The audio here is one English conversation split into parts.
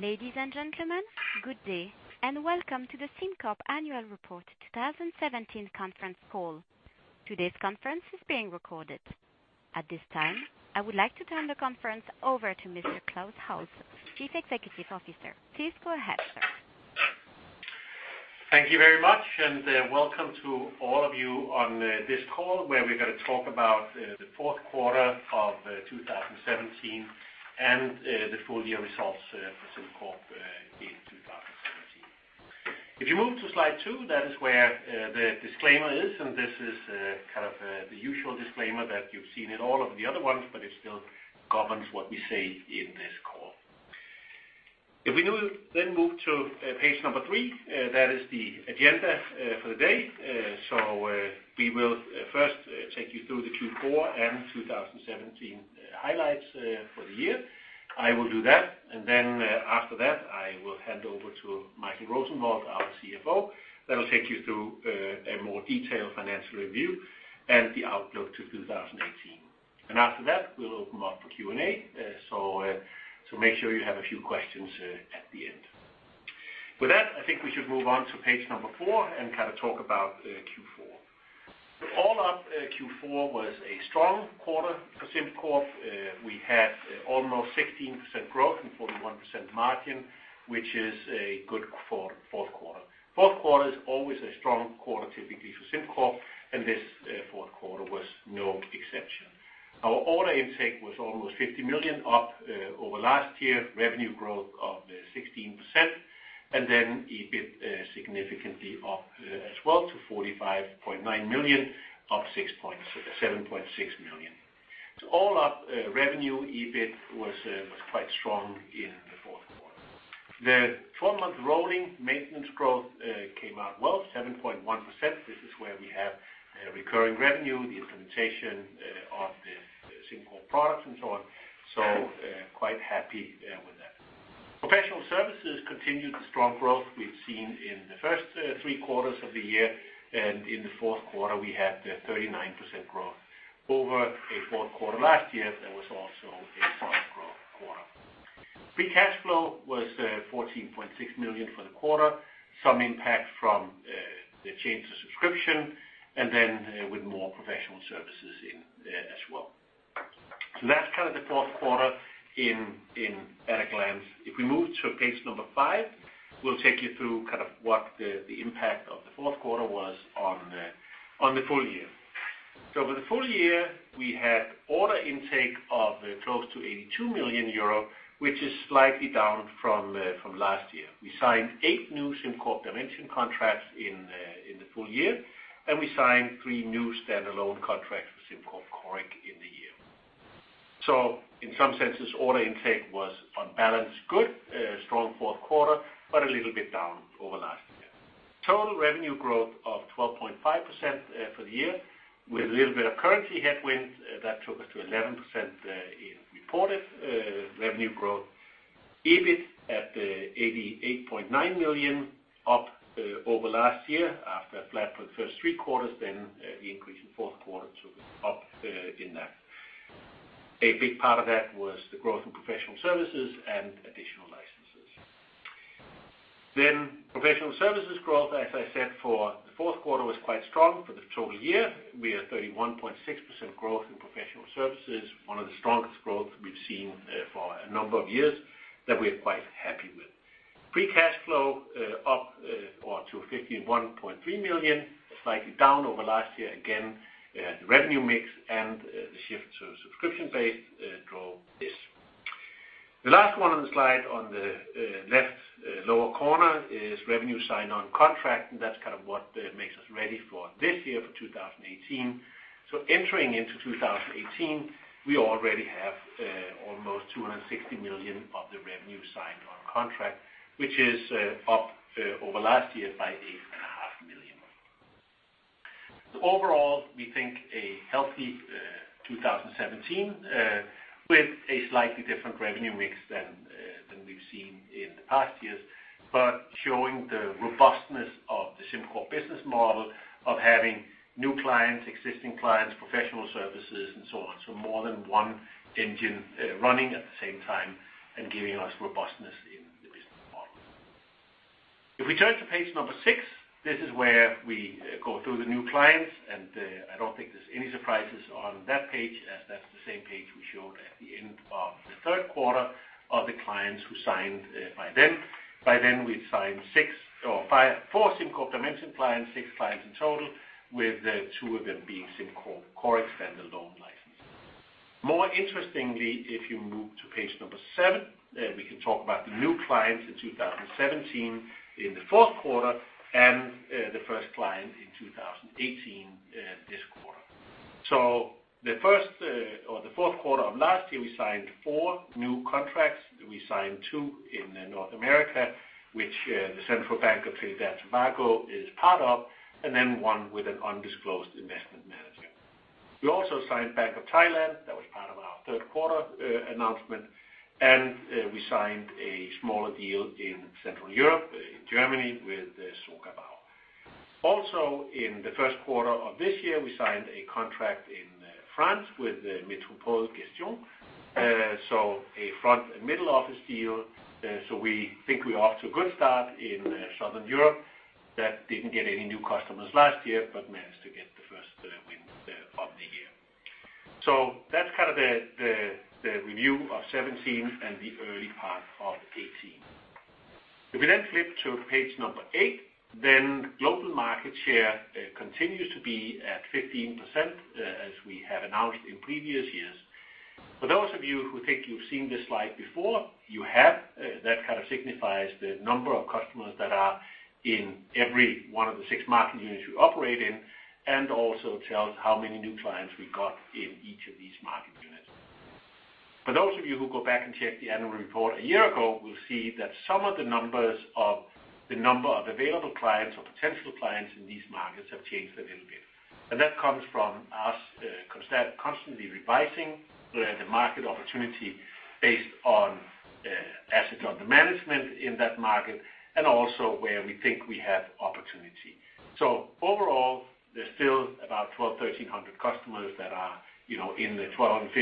Ladies and gentlemen, good day, and welcome to the SimCorp Annual Report 2017 conference call. Today's conference is being recorded. At this time, I would like to turn the conference over to Mr. Klaus Holse, Chief Executive Officer. Please go ahead, sir. Thank you very much. Welcome to all of you on this call where we're going to talk about the fourth quarter of 2017 and the full-year results for SimCorp in 2017. If you move to slide two, that is where the disclaimer is, and this is the usual disclaimer that you've seen in all of the other ones, but it still governs what we say in this call. If we move to page number three, that is the agenda for the day. We will first take you through the Q4 and 2017 highlights for the year. I will do that, and then after that, I will hand over to Michael Rosenvold, our CFO, that'll take you through a more detailed financial review and the outlook to 2018. After that, we'll open up for Q&A, so make sure you have a few questions at the end. With that, I think we should move on to page number four and talk about Q4. All up, Q4 was a strong quarter for SimCorp. We had almost 16% growth and 41% margin, which is good for fourth quarter. Fourth quarter is always a strong quarter typically for SimCorp, and this fourth quarter was no exception. Our order intake was almost 50 million up over last year, revenue growth of 16%, and then EBIT significantly up as well to 45.9 million, up 7.6 million. All up, revenue EBIT was quite strong in the fourth quarter. The four-month rolling maintenance growth came out well, 7.1%. This is where we have recurring revenue, the implementation of the SimCorp products and so on. Quite happy with that. Professional services continued the strong growth we've seen in the first three quarters of the year. In the fourth quarter, we had 39% growth. Over a fourth quarter last year, that was also a strong growth quarter. Free cash flow was 14.6 million for the quarter, some impact from the change to subscription and then with more professional services in there as well. That's the fourth quarter at a glance. If we move to page number five, we'll take you through what the impact of the fourth quarter was on the full year. For the full year, we had order intake of close to 82 million euro, which is slightly down from last year. We signed eight new SimCorp Dimension contracts in the full year. We signed three new standalone contracts with SimCorp Coric in the year. In some senses, order intake was on balance good, strong fourth quarter, a little bit down over last year. Total revenue growth of 12.5% for the year with a little bit of currency headwind that took us to 11% in reported revenue growth. EBIT at 88.9 million up over last year after flat for the first three quarters, the increase in fourth quarter took us up in that. A big part of that was the growth in professional services and additional licenses. Professional services growth, as I said, for the fourth quarter, was quite strong. For the total year, we are 31.6% growth in professional services, one of the strongest growth we've seen for a number of years that we're quite happy with. Free cash flow up to 51.3 million, slightly down over last year. Again, the revenue mix and the shift to subscription base drove this. The last one on the slide on the left lower corner is revenue signed on contract, that's what makes us ready for this year, for 2018. Entering into 2018, we already have almost 260 million of the revenue signed on contract, which is up over last year by 8.5 million. Overall, we think a healthy 2017 with a slightly different revenue mix than we've seen in the past years, showing the robustness of the SimCorp business model of having new clients, existing clients, professional services, and so on. More than one engine running at the same time and giving us robustness in the business model. If we turn to page number six, this is where we go through the new clients, I don't think there's any surprises on that page as that's the same page we showed at the end of the third quarter of the clients who signed by then. By then, we'd signed four SimCorp Dimension clients, six clients in total, with two of them being SimCorp Coric standalone licenses. More interestingly, if you move to page number seven, we can talk about the new clients in 2017 in the fourth quarter and the first client in 2018 this quarter. The fourth quarter of last year, we signed four new contracts. We signed two in North America, which the Central Bank of Trinidad and Tobago is part of, one with an undisclosed investment manager. We also signed Bank of Thailand, that was part of our third quarter announcement, we signed a smaller deal in Central Europe, in Germany with ALSO. In the first quarter of this year, we signed a contract in France with METROPOLE Gestion, a front and middle office deal. We think we're off to a good start in Southern Europe that didn't get any new customers last year managed to get the first win of the year. That's the review of 2017 and the early part of 2018. We flip to page number eight, global market share continues to be at 15%, as we have announced in previous years. For those of you who think you've seen this slide before, you have. That signifies the number of customers that are in every one of the six market units we operate in, also tells how many new clients we got in each of these market units. For those of you who go back and check the annual report a year ago, will see that some of the numbers of the number of available clients or potential clients in these markets have changed a little bit. That comes from us constantly revising the market opportunity based on assets under management in that market and also where we think we have opportunity. Overall, there's still about 1,200 or 1,300 customers that are in the 1,250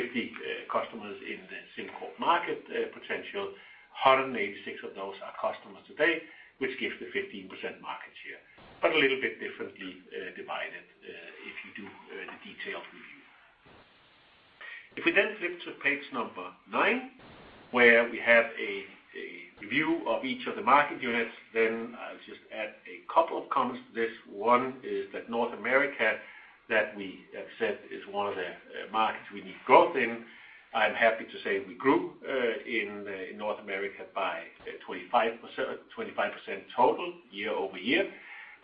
customers in the SimCorp market potential. 186 of those are customers today, which gives the 15% market share, but a little bit differently divided if you do the detailed review. If we flip to page number nine, where we have a review of each of the market units, I'll just add a couple of comments to this. One is that North America that we have said is one of the markets we need growth in, I'm happy to say we grew in North America by 25% total year-over-year.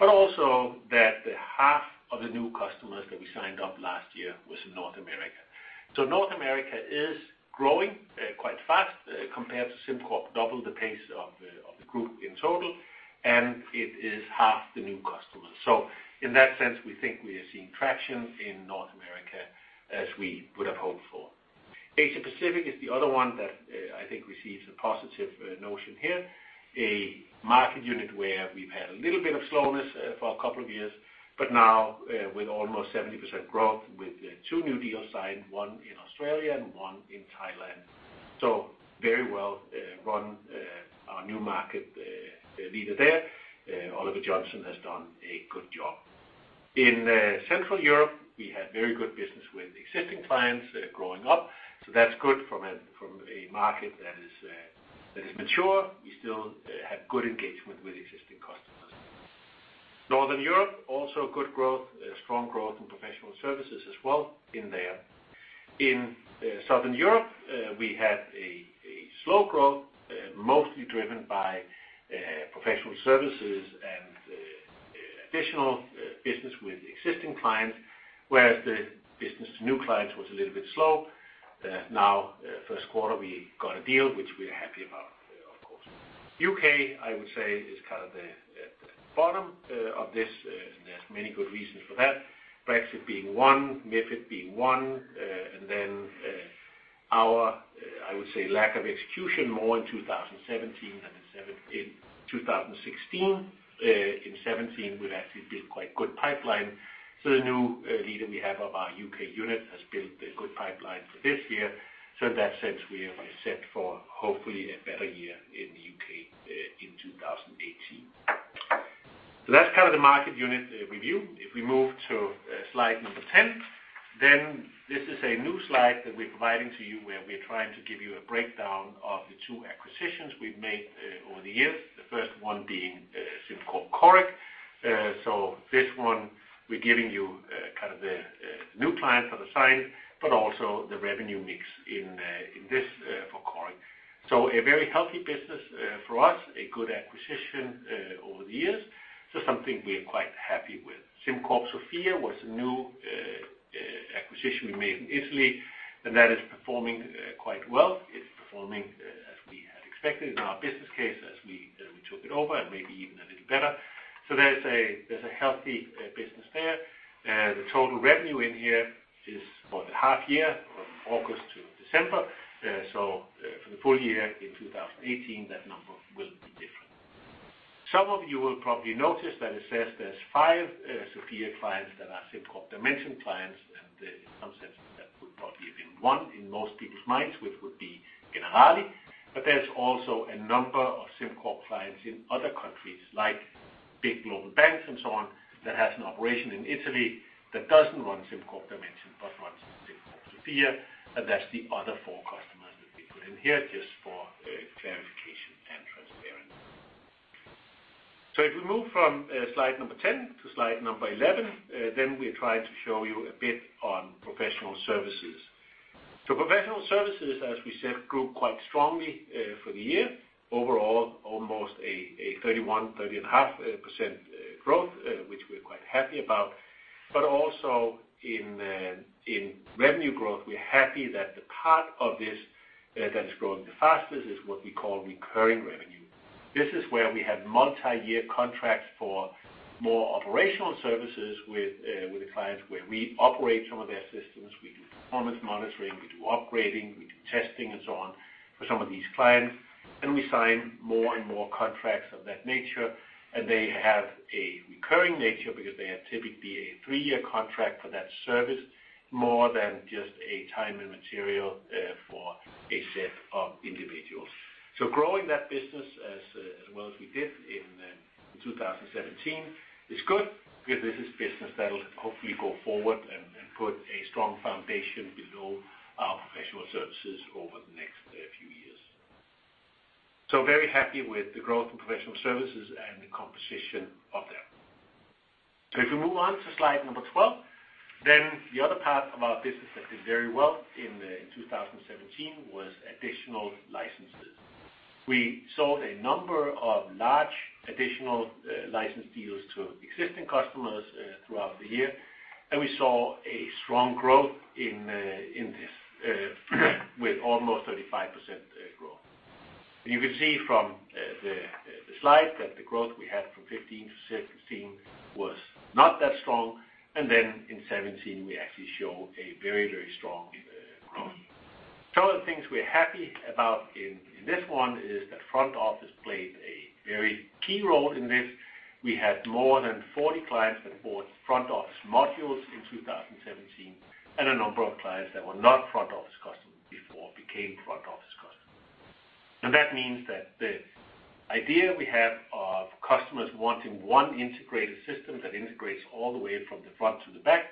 Also that half of the new customers that we signed up last year was in North America. North America is growing quite fast compared to SimCorp, double the pace of the group in total, and it is half the new customers. In that sense, we think we are seeing traction in North America as we would have hoped for. Asia Pacific is the other one that I think receives a positive notion here. A market unit where we've had a little bit of slowness for a couple of years, but now with almost 70% growth with two new deals signed, one in Australia and one in Thailand. Very well run. Our new market leader there, Oliver Johnson, has done a good job. In Central Europe, we had very good business with existing clients growing up, that's good from a market that is mature. Northern Europe also good growth, strong growth in professional services as well in there. In Southern Europe, we had a slow growth, mostly driven by professional services and additional business with existing clients, whereas the business to new clients was a little bit slow. Now, first quarter, we got a deal, which we are happy about, of course. U.K., I would say, is the bottom of this. There's many good reasons for that. Brexit being one, MiFID being one, our, I would say, lack of execution more in 2017 than in 2016. In 2017, we've actually built quite a good pipeline. The new leader we have of our U.K. unit has built a good pipeline for this year. In that sense, we are set for hopefully a better year in the U.K. in 2018. That's the market unit review. If we move to slide number 10, this is a new slide that we're providing to you where we're trying to give you a breakdown of the two acquisitions we've made over the years. The first one being SimCorp Coric. This one, we're giving you the new client that has signed, also the revenue mix in this for Coric. A very healthy business for us, a good acquisition over the years. Something we are quite happy with. SimCorp Sofia was a new acquisition we made in Italy, that is performing quite well. It's performing as we had expected in our business case as we took it over, maybe even a little better. There's a healthy business there. The total revenue in here is for the half year from August to December. For the full year in 2018, that number will be different. Some of you will probably notice that it says there's five SimCorp Sofia clients that are SimCorp Dimension clients. In some sense, that would probably have been one in most people's minds, which would be Generali. There's also a number of SimCorp clients in other countries, like big global banks and so on, that has an operation in Italy that doesn't run SimCorp Dimension but runs SimCorp Sofia. That's the other four customers that we put in here just for clarification and transparency. If we move from slide number 10 to slide number 11, we're trying to show you a bit on professional services. Professional services, as we said, grew quite strongly for the year. Overall, almost a 31.5% growth, which we're quite happy about. Also in revenue growth, we're happy that the part of this that is growing the fastest is what we call recurring revenue. This is where we have multi-year contracts for more operational services with the clients where we operate some of their systems. We do performance monitoring, we do upgrading, we do testing, and so on for some of these clients. We sign more and more contracts of that nature, they have a recurring nature because they are typically a three-year contract for that service, more than just a time and material for a set of individuals. Growing that business as well as we did in 2017 is good because this is business that'll hopefully go forward and put a strong foundation below our professional services over the next few years. Very happy with the growth in professional services and the composition of that. If we move on to slide number 12, the other part of our business that did very well in 2017 was additional licenses. We sold a number of large additional license deals to existing customers throughout the year, we saw a strong growth in this with almost 35% growth. You can see from the slide that the growth we had from 2015 to 2016 was not that strong, in 2017, we actually show a very strong growth. Some of the things we're happy about in this one is that front office played a very key role in this. We had more than 40 clients that bought front office modules in 2017, a number of clients that were not front-office customers before became front-office customers. That means that the idea we have of customers wanting one integrated system that integrates all the way from the front to the back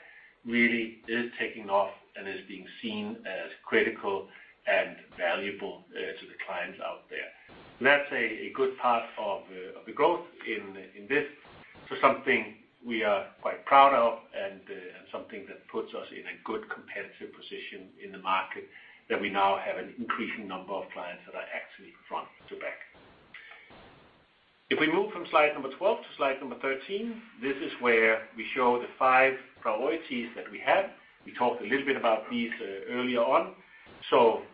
really is taking off and is being seen as critical and valuable to the clients out there. That's a good part of the growth in this. Something we are quite proud of and something that puts us in a good competitive position in the market that we now have an increasing number of clients that are actually front to back. If we move from slide 12 to slide 13, this is where we show the five priorities that we have. We talked a little bit about these earlier on.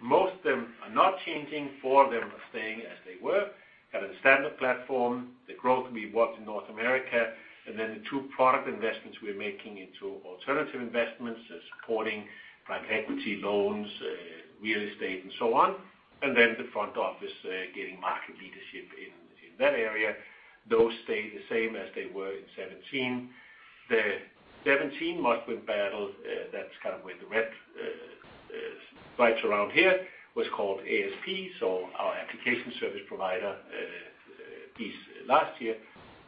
Most of them are not changing, four of them are staying as they were. Have a standard platform, the growth we want in North America, the two product investments we're making into alternative investments, supporting private equity loans, real estate, and so on. The front office getting market leadership in that area. Those stay the same as they were in 2017. The 2017 must-win battle, that's where the red slides around here was called ASP, our application service provider piece last year.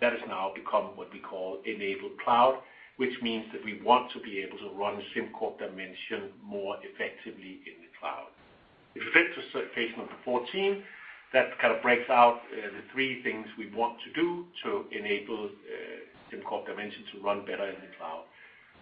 That has now become what we call enabled cloud, which means that we want to be able to run SimCorp Dimension more effectively in the cloud. If we flip to page 14, that kind of breaks out the three things we want to do to enable SimCorp Dimension to run better in the cloud.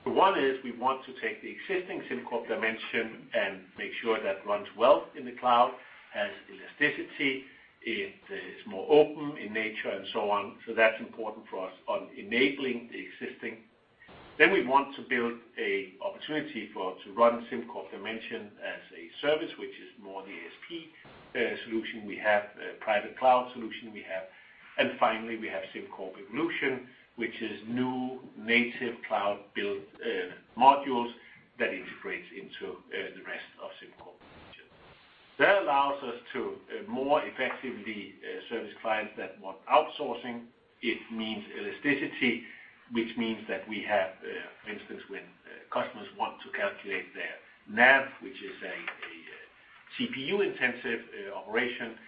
One is we want to take the existing SimCorp Dimension and make sure that runs well in the cloud, has elasticity, it is more open in nature, and so on. That's important for us on enabling the existing. We want to build an opportunity to run SimCorp Dimension as a service, which is more the ASP solution we have, private cloud solution we have. Finally, we have SimCorp Evolution, which is new native cloud-built modules that integrates into the rest of SimCorp Dimension. That allows us to more effectively service clients that want outsourcing. It means elasticity, which means that we have, for instance, when customers want to calculate their NAV, which is a CPU-intensive operation,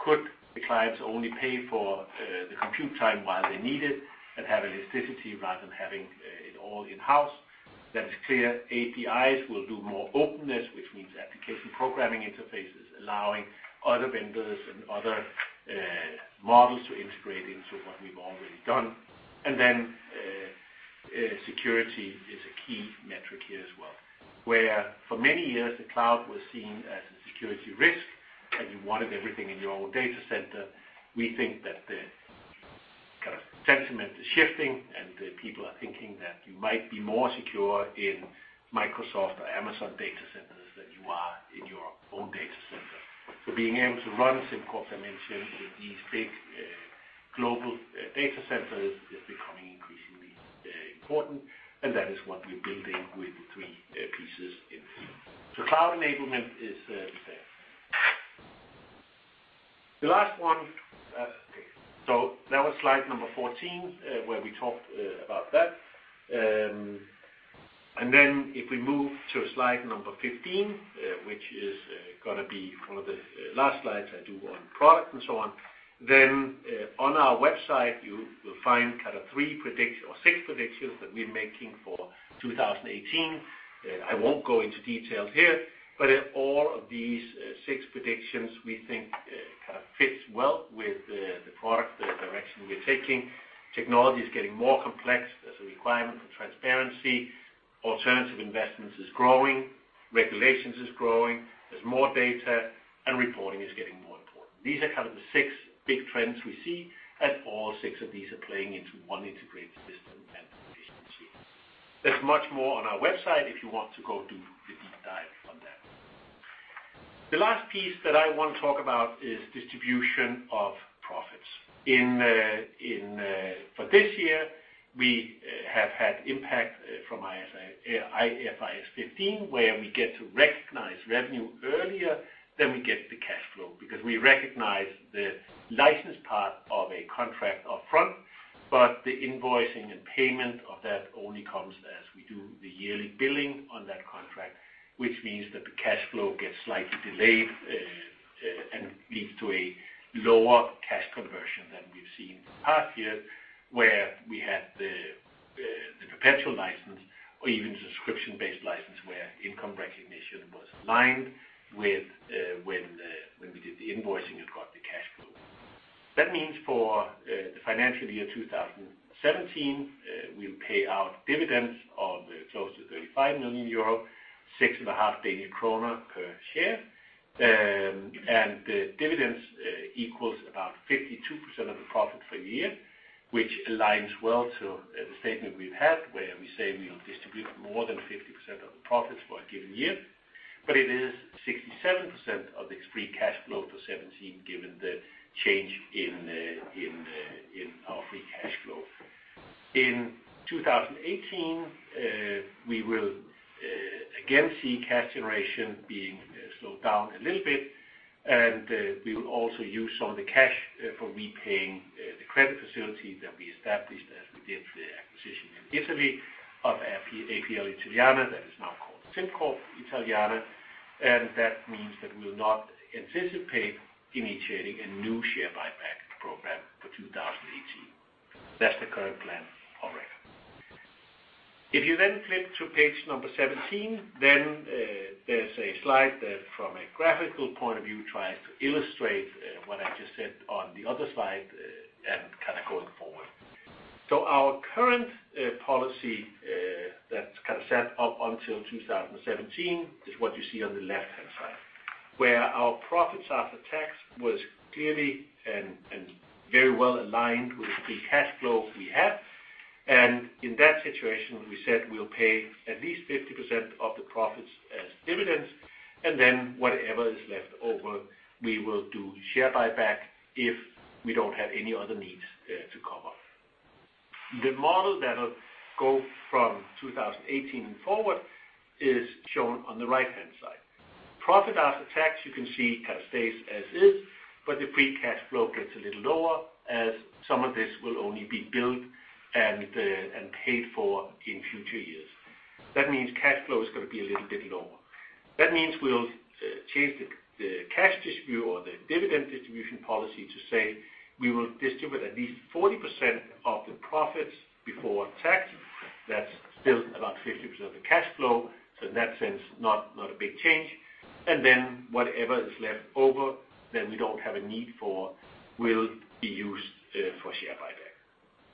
could the clients only pay for the compute time while they need it and have elasticity rather than having it all in-house? That is clear. APIs will do more openness, which means application programming interfaces, allowing other vendors and other models to integrate into what we've already done. Security is a key metric here as well. Where for many years, the cloud was seen as a security risk, and you wanted everything in your own data center, we think that the sentiment is shifting, and people are thinking that you might be more secure in Microsoft or Amazon data centers than you are in your own data center. Being able to run SimCorp Dimension in these big global data centers is becoming increasingly important, and that is what we're building with the three pieces in here. Cloud enablement is there. That was slide 14, where we talked about that. If we move to slide 15, which is going to be one of the last slides I do on product and so on. On our website, you will find kind of three predictions or six predictions that we're making for 2018. I won't go into details here. All of these six predictions we think kind of fits well with the product, the direction we're taking. Technology is getting more complex. There's a requirement for transparency. Alternative investments is growing, regulations is growing. There's more data, and reporting is getting more important. These are kind of the six big trends we see, and all six of these are playing into one integrated system and efficiency. There's much more on our website if you want to go do the deep dive on that. The last piece that I want to talk about is distribution of. For this year, we have had impact from IFRS 15, where we get to recognize revenue earlier than we get the cash flow. We recognize the license part of a contract up front, but the invoicing and payment of that only comes as we do the yearly billing on that contract, which means that the cash flow gets slightly delayed and leads to a lower cash conversion than we've seen in past years, where we had the perpetual license or even subscription-based license, where income recognition was aligned with when we did the invoicing and got the cash flow. That means for the financial year 2017, we'll pay out dividends of close to 35 million euro, six and a half Danish krone per share. The dividends equals about 52% of the profit for the year, which aligns well to the statement we've had where we say we'll distribute more than 50% of the profits for a given year. It is 67% of the free cash flow for 2017, given the change in our free cash flow. In 2018, we will again see cash generation being slowed down a little bit, and we will also use some of the cash for repaying the credit facility that we established as we did the acquisition in Italy of APL Italiana, that is now called SimCorp Italiana. That means that we will not anticipate initiating a new share buyback program for 2018. That's the current plan already. Flip to page number 17, there's a slide that, from a graphical point of view, tries to illustrate what I just said on the other slide and kind of going forward. Our current policy that's kind of set up until 2017 is what you see on the left-hand side, where our profits after tax was clearly and very well aligned with the free cash flow we have. In that situation, we said we'll pay at least 50% of the profits as dividends, and then whatever is left over, we will do share buyback if we don't have any other needs to cover. The model that will go from 2018 and forward is shown on the right-hand side. Profit after tax, you can see, kind of stays as is, the free cash flow gets a little lower as some of this will only be billed and paid for in future years. That means cash flow is going to be a little bit lower. That means we'll change the cash distribute or the dividend distribution policy to say we will distribute at least 40% of the profits before tax. That's still about 50% of the cash flow. In that sense, not a big change. Then whatever is left over that we don't have a need for, will be used for share buyback.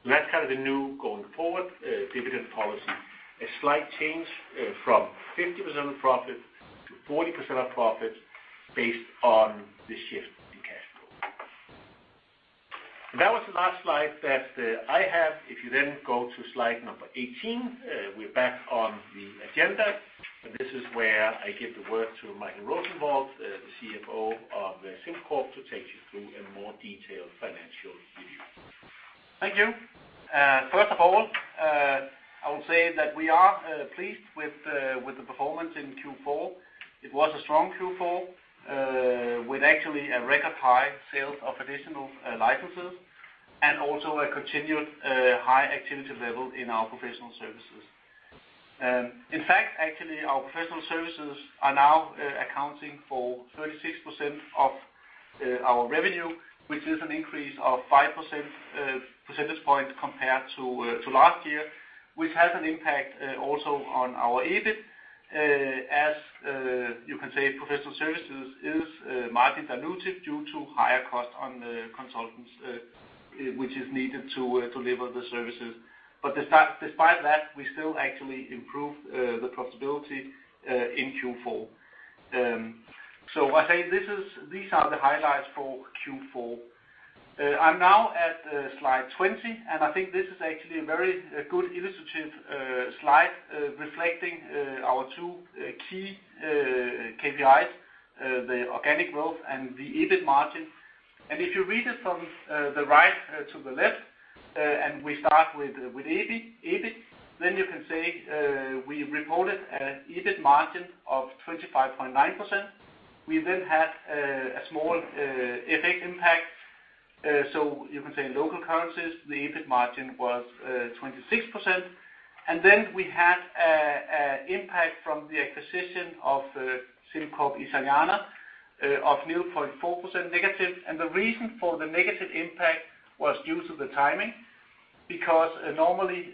That's kind of the new going forward dividend policy. A slight change from 50% of profit to 40% of profit based on the shift in cash flow. That was the last slide that I have. If you then go to slide 18, we're back on the agenda. This is where I give the word to Michael Rosenvold, the CFO of SimCorp, to take you through a more detailed financial review. Thank you. First of all, I would say that we are pleased with the performance in Q4. It was a strong Q4, with actually a record high sales of additional licenses and also a continued high activity level in our professional services. In fact, actually, our professional services are now accounting for 36% of our revenue, which is an increase of 5% percentage point compared to last year, which has an impact also on our EBIT. As you can say, professional services is margin dilutive due to higher cost on the consultants, which is needed to deliver the services. Despite that, we still actually improved the profitability in Q4. I say these are the highlights for Q4. I'm now at slide 20, and I think this is actually a very good illustrative slide reflecting our two key KPIs, the organic growth and the EBIT margin. If you read it from the right to the left, and we start with EBIT, then you can say we reported an EBIT margin of 25.9%. We then had a small FX impact. You can say in local currencies, the EBIT margin was 26%. Then we had an impact from the acquisition of SimCorp Italiana of 0.4% negative. The reason for the negative impact was due to the timing. Because normally,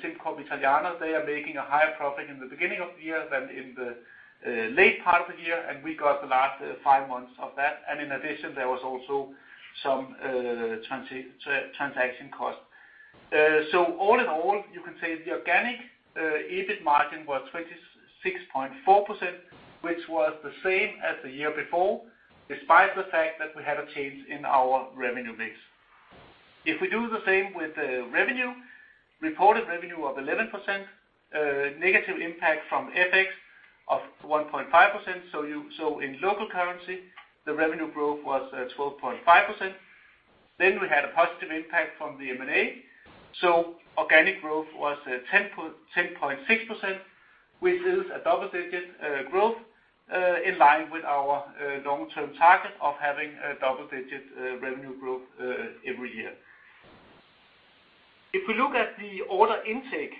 SimCorp Italiana, they are making a higher profit in the beginning of the year than in the late part of the year, and we got the last five months of that. In addition, there was also some transaction cost. All in all, you can say the organic EBIT margin was 26.4%, which was the same as the year before, despite the fact that we had a change in our revenue mix. If we do the same with the revenue Reported revenue of 11%, negative impact from FX of 1.5%. In local currency, the revenue growth was 12.5%. Then we had a positive impact from the M&A. Organic growth was 10.6%, which is a double-digit growth in line with our long-term target of having a double-digit revenue growth every year. If we look at the order intake,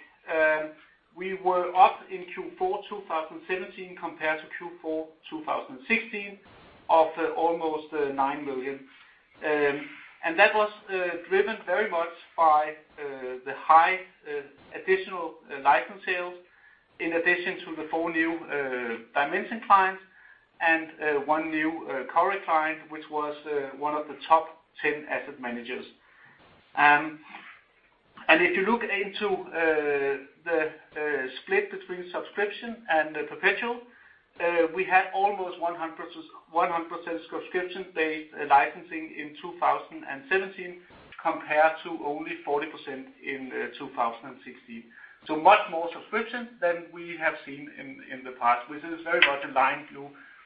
we were up in Q4 2017 compared to Q4 2016 of almost 9 million. That was driven very much by the high additional license sales, in addition to the four new Dimension clients and one new Coric client, which was one of the top 10 asset managers. If you look into the split between subscription and the perpetual, we had almost 100% subscription-based licensing in 2017 compared to only 40% in 2016. Much more subscription than we have seen in the past, which is very much in line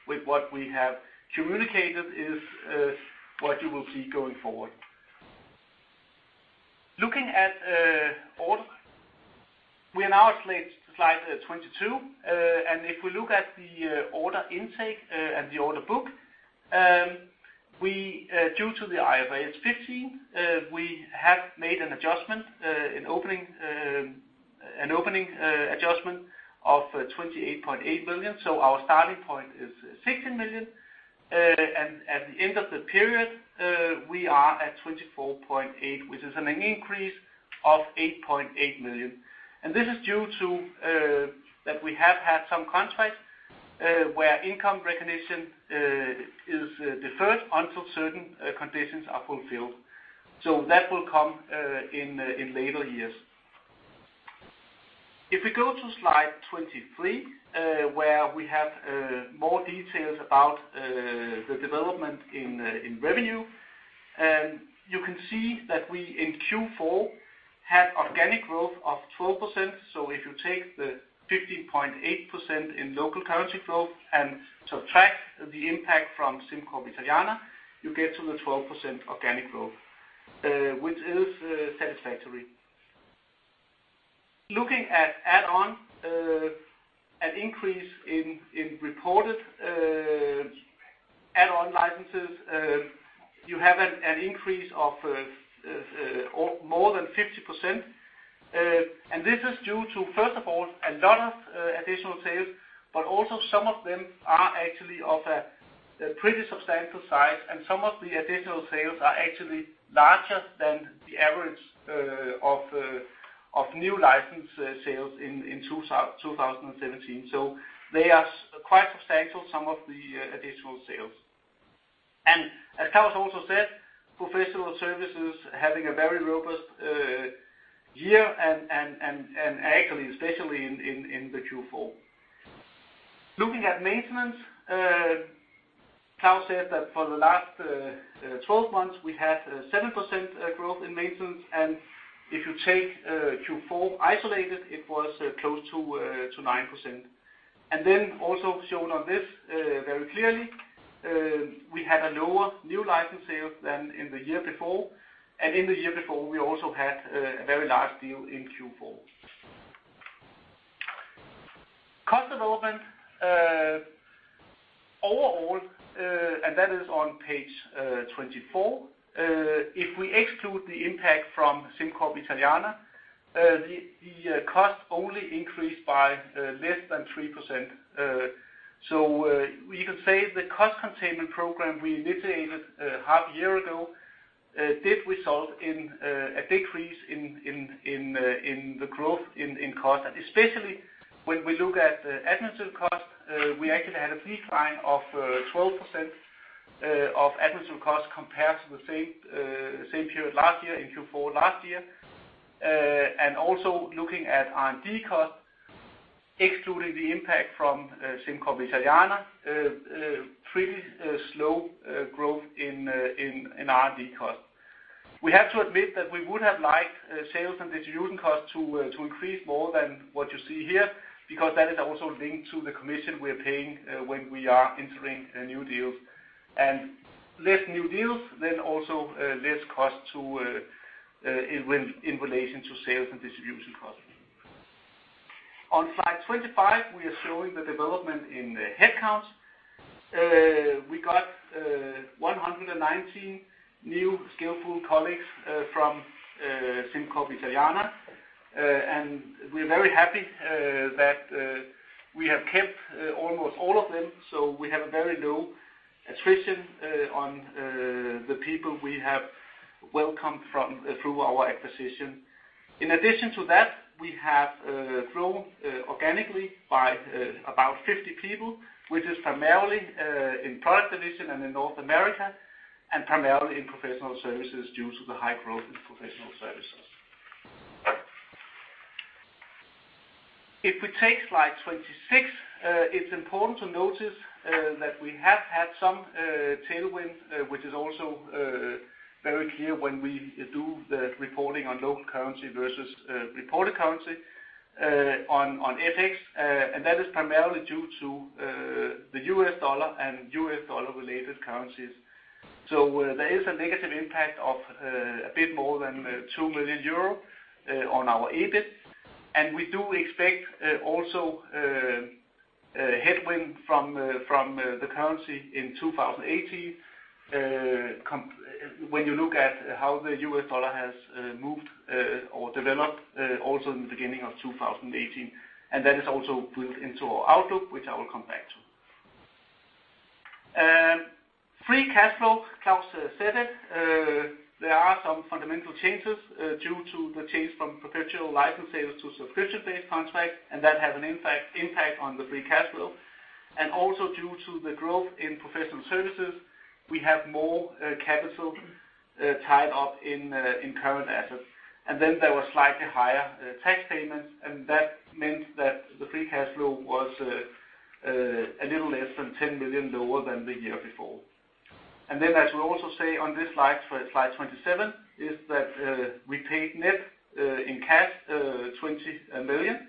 with what we have communicated is what you will see going forward. Looking at order, we are now at slide 22, and if we look at the order intake and the order book, due to the IFRS 15, we have made an adjustment, an opening adjustment of 28.8 million. Our starting point is 16 million, and at the end of the period, we are at 24.8 million, which is an increase of 8.8 million. This is due to that we have had some contracts where income recognition is deferred until certain conditions are fulfilled. That will come in later years. If we go to slide 23, where we have more details about the development in revenue, you can see that we, in Q4, had organic growth of 12%. If you take the 15.8% in local currency growth and subtract the impact from SimCorp Italiana, you get to the 12% organic growth, which is satisfactory. Looking at add-on, an increase in reported add-on licenses, you have an increase of more than 50%. This is due to, first of all, a lot of additional sales, but also some of them are actually of a pretty substantial size, and some of the additional sales are actually larger than the average of new license sales in 2017. They are quite substantial, some of the additional sales. As Claus also said, professional services having a very robust year and actually especially in the Q4. Looking at maintenance, Claus said that for the last 12 months, we had 7% growth in maintenance, and if you take Q4 isolated, it was close to 9%. Also shown on this very clearly, we had a lower new license sale than in the year before. In the year before, we also had a very large deal in Q4. Cost development overall, and that is on page 24. If we exclude the impact from SimCorp Italiana, the cost only increased by less than 3%. You can say the cost containment program we initiated half year ago did result in a decrease in the growth in cost. Especially when we look at administrative cost, we actually had a decline of 12% of administrative cost compared to the same period last year, in Q4 last year. Also looking at R&D cost, excluding the impact from SimCorp Italiana, pretty slow growth in R&D cost. We have to admit that we would have liked sales and distribution cost to increase more than what you see here, because that is also linked to the commission we are paying when we are entering new deals. Less new deals, then also less cost in relation to sales and distribution costs. On slide 25, we are showing the development in the headcounts. We got 119 new skillful colleagues from SimCorp Italiana, and we are very happy that we have kept almost all of them. We have a very low attrition on the people we have welcomed through our acquisition. In addition to that, we have grown organically by about 50 people, which is primarily in product division and in North America, and primarily in professional services due to the high growth in professional services. If we take slide 26, it is important to notice that we have had some tailwind, which is also very clear when we do the reporting on local currency versus reported currency on FX. That is primarily due to the US dollar and US dollar-related currencies. There is a negative impact of a bit more than 2 million euro on our EBIT. We do expect also a headwind from the currency in 2018, when you look at how the US dollar has moved or developed also in the beginning of 2018, and that is also built into our outlook, which I will come back to. Free cash flow, Claus said it. There are some fundamental changes due to the change from perpetual license sales to subscription-based contracts. That has an impact on the free cash flow. Also due to the growth in professional services, we have more capital tied up in current assets. Then there were slightly higher tax payments. That meant that the free cash flow was a little less than 10 million lower than the year before. Then as we also say on this slide 27, is that we paid net in cash, 20 million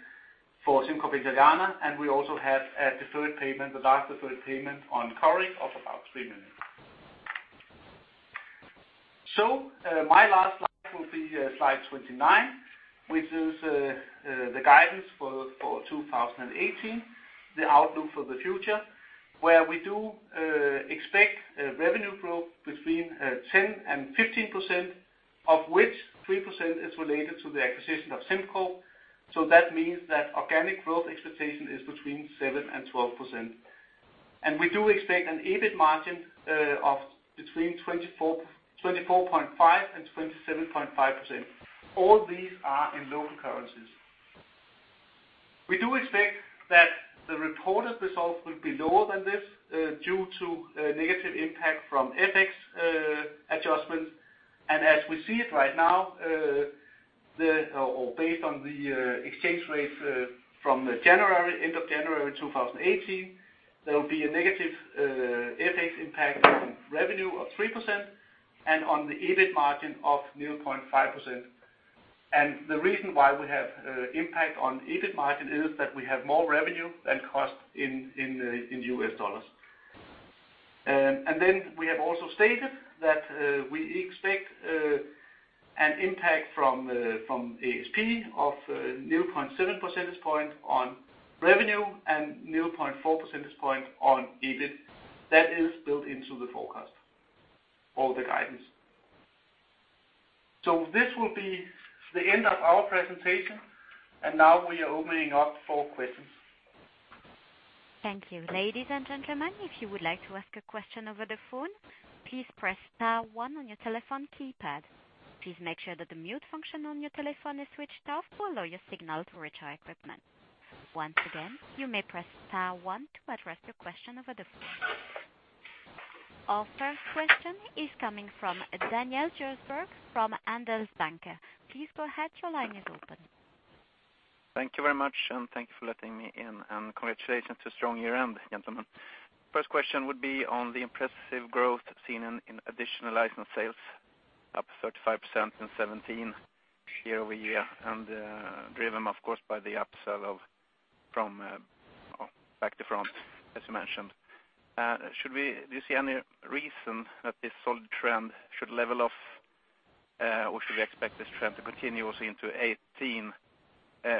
for SimCorp Italiana, and we also have a deferred payment, the last deferred payment on Coric of about 3 million. My last slide will be slide 29, which is the guidance for 2018, the outlook for the future, where we do expect a revenue growth between 10% and 15%, of which 3% is related to the acquisition of SimCorp. That means that organic growth expectation is between 7% and 12%. We do expect an EBIT margin of between 24.5% and 27.5%. All these are in local currencies. We do expect that the reported results will be lower than this due to a negative impact from FX adjustments. As we see it right now, or based on the exchange rates from end of January 2018, there will be a negative FX impact on revenue of 3% and on the EBIT margin of 0.5%. The reason why we have impact on EBIT margin is that we have more revenue than cost in US dollars. Then we have also stated that we expect an impact from ASP of 0.7 percentage point on revenue and 0.4 percentage point on EBIT. That is built into the forecast or the guidance. This will be the end of our presentation, and now we are opening up for questions. Thank you. Ladies and gentlemen, if you would like to ask a question over the phone, please press star 1 on your telephone keypad. Please make sure that the mute function on your telephone is switched off to allow your signal to reach our equipment. Once again, you may press star 1 to address your question over the phone. Our first question is coming from Daniel Josberg from Andelsbanken. Please go ahead. Your line is open. Thank you very much. Thank you for letting me in, and congratulations to a strong year-end, gentlemen. First question would be on the impressive growth seen in additional license sales, up 35% in 2017, year-over-year, and driven, of course, by the upsell of from back to front, as you mentioned. Do you see any reason that this solid trend should level off, or should we expect this trend to continue also into 2018,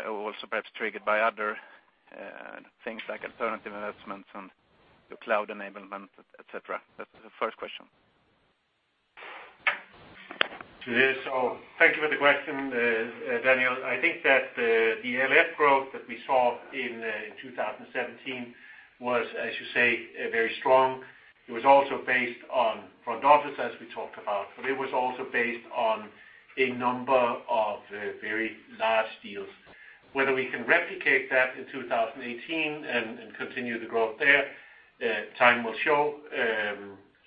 also perhaps triggered by other things like alternative investments and the cloud enablement, et cetera? That's the first question. Thank you for the question, Daniel. I think that the LAF growth that we saw in 2017 was, as you say, very strong. It was also based on front office, as we talked about, but it was also based on a number of very large deals. Whether we can replicate that in 2018 and continue the growth there, time will show.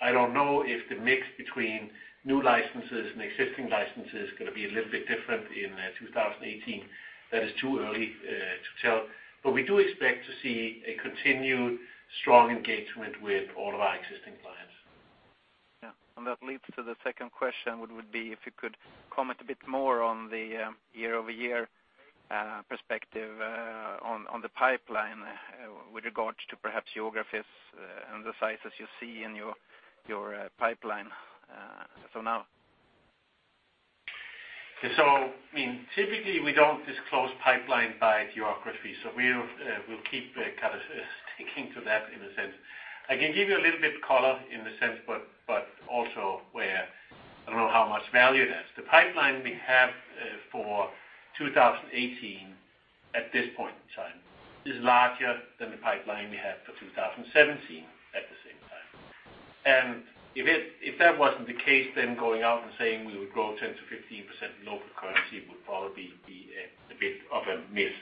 I don't know if the mix between new licenses and existing licenses is going to be a little bit different in 2018. That is too early to tell. We do expect to see a continued strong engagement with all of our existing clients. That leads to the second question, would be if you could comment a bit more on the year-over-year perspective on the pipeline with regard to perhaps geographies and the sizes you see in your pipeline so now. Typically we don't disclose pipeline by geography, we'll keep kind of sticking to that in a sense. I can give you a little bit color in the sense, but also where I don't know how much value it has. The pipeline we have for 2018 at this point in time is larger than the pipeline we had for 2017 at the same time. If that wasn't the case, then going out and saying we would grow 10%-15% in local currency would probably be a bit of a myth.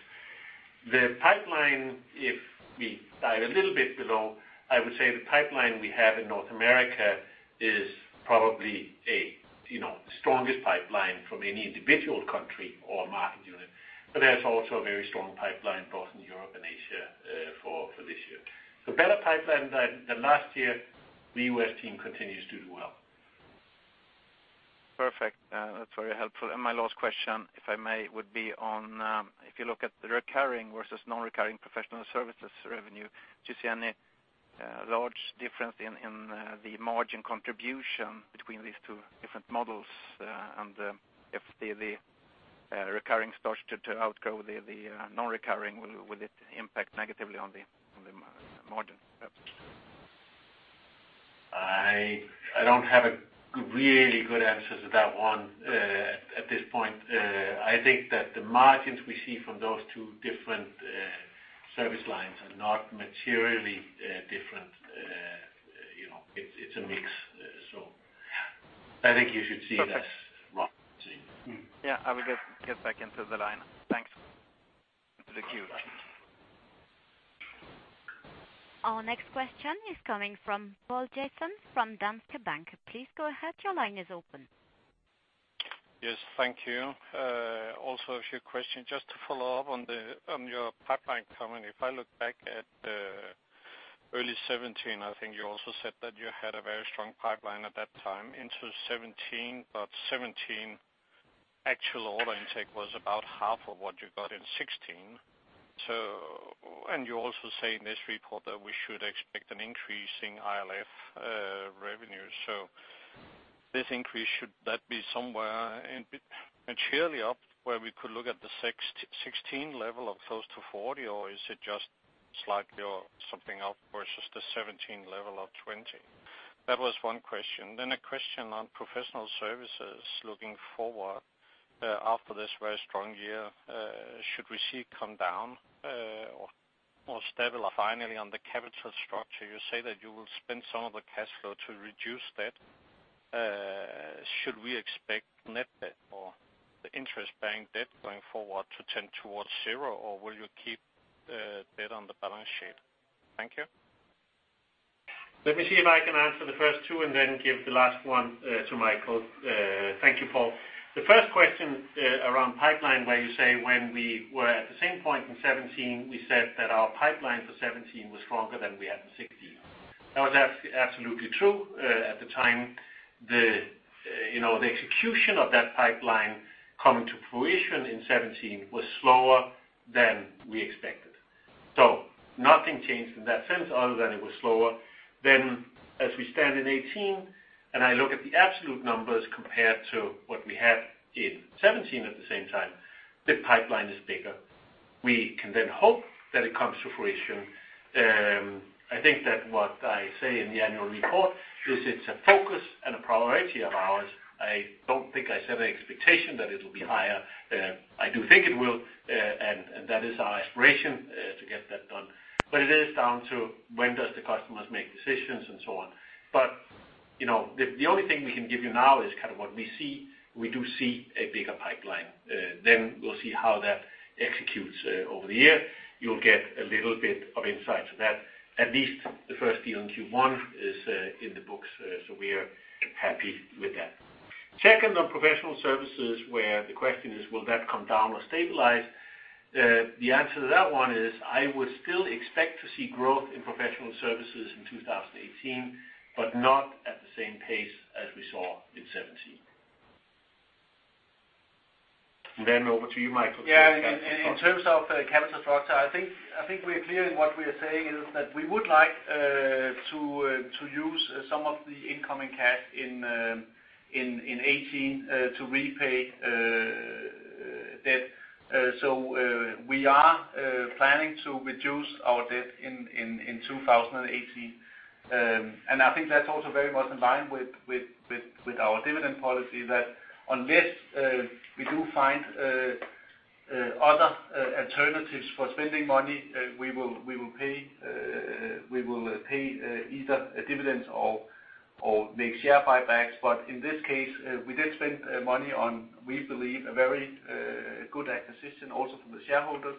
The pipeline If we dive a little bit below, I would say the pipeline we have in North America is probably the strongest pipeline from any individual country or market unit. There's also a very strong pipeline both in Europe and Asia for this year. Better pipeline than last year. The U.S. team continues to do well. Perfect. That's very helpful. My last question, if I may, would be on, if you look at the recurring versus non-recurring professional services revenue, do you see any large difference in the margin contribution between these two different models? If the recurring starts to outgrow the non-recurring, will it impact negatively on the margin? I don't have a really good answer to that one at this point. I think that the margins we see from those two different service lines are not materially different. It's a mix. I think you should see that. Perfect. -ing. Yeah, I will get back into the line. Thanks. Thank you. Our next question is coming from Paul Jessen from Danske Bank. Please go ahead. Your line is open. Yes, thank you. Also, a few questions. Just to follow up on your pipeline comment. If I look back at early 2017, I think you also said that you had a very strong pipeline at that time into 2017, but 2017 actual order intake was about half of what you got in 2016. You also say in this report that we should expect an increase in ALF revenue. This increase, should that be somewhere materially up where we could look at the 2016 level of close to 40? Or is it just slightly or something up versus the 2017 level of 20? That was one question. A question on professional services looking forward, after this very strong year, should we see it come down or stabilize? Finally, on the capital structure, you say that you will spend some of the cash flow to reduce debt. Should we expect net debt or the interest bank debt going forward to tend towards zero, or will you keep debt on the balance sheet? Thank you. Let me see if I can answer the first two and then give the last one to Michael. Thank you, Paul. The first question around pipeline where you say when we were at the same point in 2017, we said that our pipeline for 2017 was stronger than we had in 2016. That was absolutely true at the time. The execution of that pipeline coming to fruition in 2017 was slower than we expected. Nothing changed in that sense other than it was slower. As we stand in 2018 and I look at the absolute numbers compared to what we had in 2017 at the same time, the pipeline is bigger. We can hope that it comes to fruition. I think that what I say in the annual report is it's a focus and a priority of ours. I don't think I set an expectation that it'll be higher. I do think it will, and that is our aspiration to get that done. It is down to when does the customers make decisions and so on. The only thing we can give you now is what we see. We do see a bigger pipeline. We'll see how that executes over the year. You'll get a little bit of insight to that. At least the first deal in Q1 is in the books. We are happy with that. Second on professional services, where the question is, will that come down or stabilize? The answer to that one is, I would still expect to see growth in professional services in 2018, but not at the same pace as we saw in 2017. Over to you, Michael, for the capital structure. Yeah, in terms of capital structure, I think we are clear in what we are saying is that we would like to use some of the incoming cash in 2018 to repay debt. We are planning to reduce our debt in 2018. I think that's also very much in line with our dividend policy that unless we do find other alternatives for spending money, we will pay either a dividend or make share buybacks. In this case, we did spend money on, we believe, a very good acquisition also for the shareholders,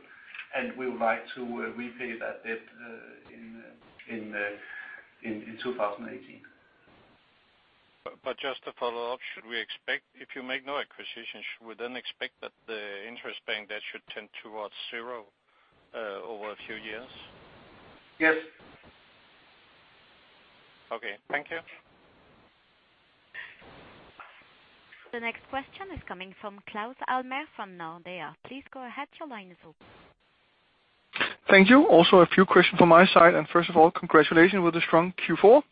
and we would like to repay that debt in 2018. Just to follow up, if you make no acquisitions, should we then expect that the interest bank debt should tend towards zero over a few years? Yes. Okay. Thank you. The next question is coming from Claus Almer from Nordea. Please go ahead. Your line is open. Thank you. Also a few questions from my side, and first of all, congratulations with a strong Q4.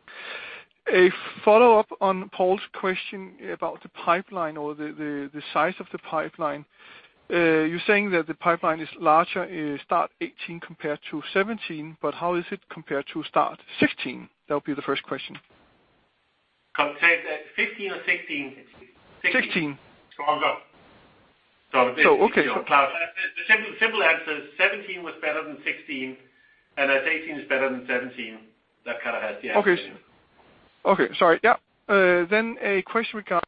A follow-up on Paul's question about the pipeline or the size of the pipeline. You're saying that the pipeline is larger start 2018 compared to 2017, but how is it compared to start 2016? That would be the first question. Can we say that 2015 or 2016? '16. Stronger. Okay. Claus, the simple answer is 2017 was better than 2016, and as 2018 is better than 2017, that kind of has the answer in it. Okay. Sorry. Yeah. A question regarding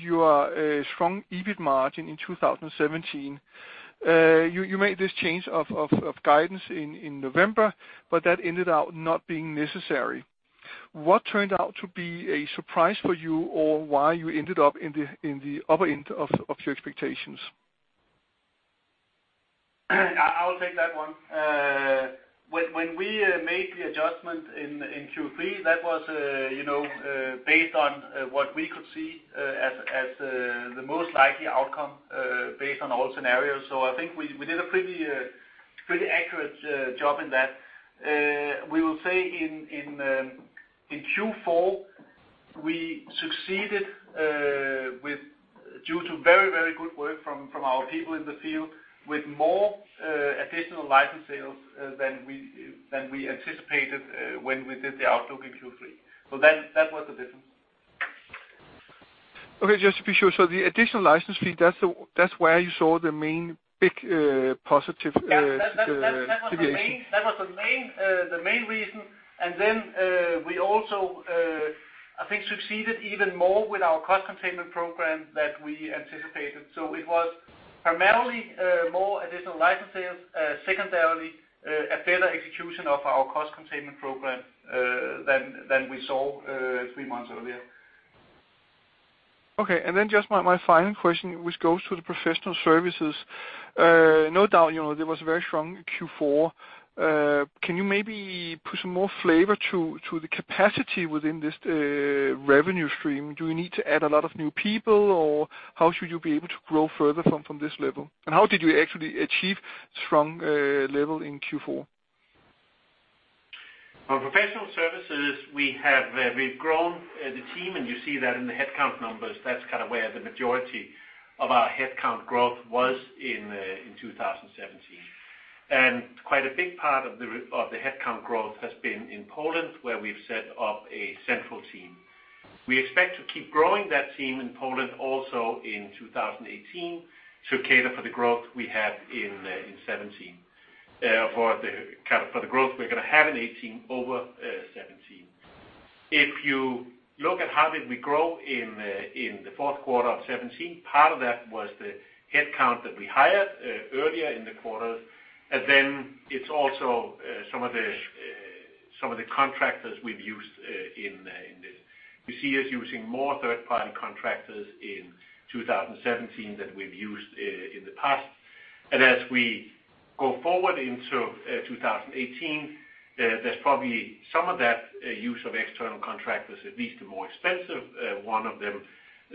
your strong EBIT margin in 2017. You made this change of guidance in November. That ended out not being necessary. What turned out to be a surprise for you, or why you ended up in the upper end of your expectations? I'll take that one. When we made the adjustment in Q3, that was based on what we could see as the most likely outcome, based on all scenarios. I think we did a pretty accurate job in that. We will say in Q4, we succeeded due to very good work from our people in the field with more additional license sales than we anticipated when we did the outlook in Q3. That was the difference. Just to be sure. The additional license fee, that's where you saw the main big positive deviation? That was the main reason. We also, I think succeeded even more with our cost containment program than we anticipated. It was primarily more additional license sales, secondarily, a better execution of our cost containment program than we saw three months earlier. Just my final question, which goes to the professional services. No doubt, there was a very strong Q4. Can you maybe put some more flavor to the capacity within this revenue stream? Do you need to add a lot of new people, or how should you be able to grow further from this level? How did you actually achieve strong level in Q4? On professional services, we've grown the team, and you see that in the headcount numbers. That's kind of where the majority of our headcount growth was in 2017. Quite a big part of the headcount growth has been in Poland, where we've set up a central team. We expect to keep growing that team in Poland also in 2018 to cater for the growth we have in 2017. For the growth we're going to have in 2018 over 2017. If you look at how did we grow in the fourth quarter of 2017, part of that was the headcount that we hired earlier in the quarters. It's also some of the contractors we've used in this. You see us using more third-party contractors in 2017 than we've used in the past. As we go forward into 2018, there's probably some of that use of external contractors, at least the more expensive one of them,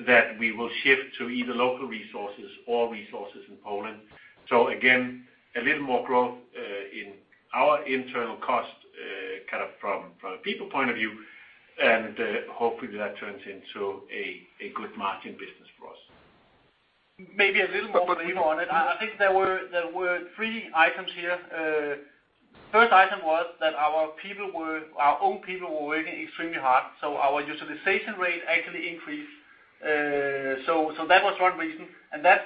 that we will shift to either local resources or resources in Poland. Again, a little more growth in our internal cost from a people point of view, and hopefully that turns into a good margin business for us. Maybe a little more flavor on it. I think there were three items here. First item was that our own people were working extremely hard, so our utilization rate actually increased. That was one reason, and that's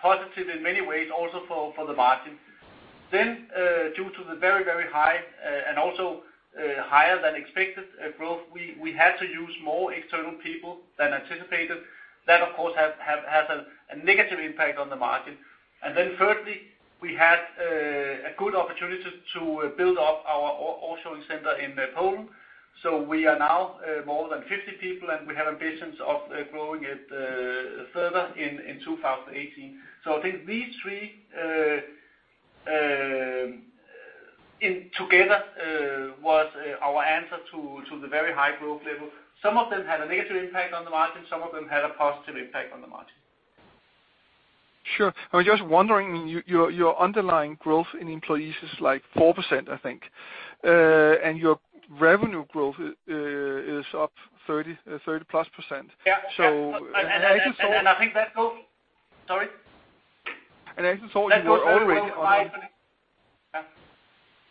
positive in many ways also for the margin. Due to the very high and also higher than expected growth, we had to use more external people than anticipated. That, of course, has a negative impact on the margin. Thirdly, we had a good opportunity to build up our offshoring center in Poland. We are now more than 50 people, and we have ambitions of growing it further in 2018. I think these three together was our answer to the very high growth level. Some of them had a negative impact on the margin, some of them had a positive impact on the margin. Sure. I was just wondering, your underlying growth in employees is like 4%, I think. Your revenue growth is up 30-plus%. Yeah. So- I think that. Sorry? I actually thought you were already- That growth is high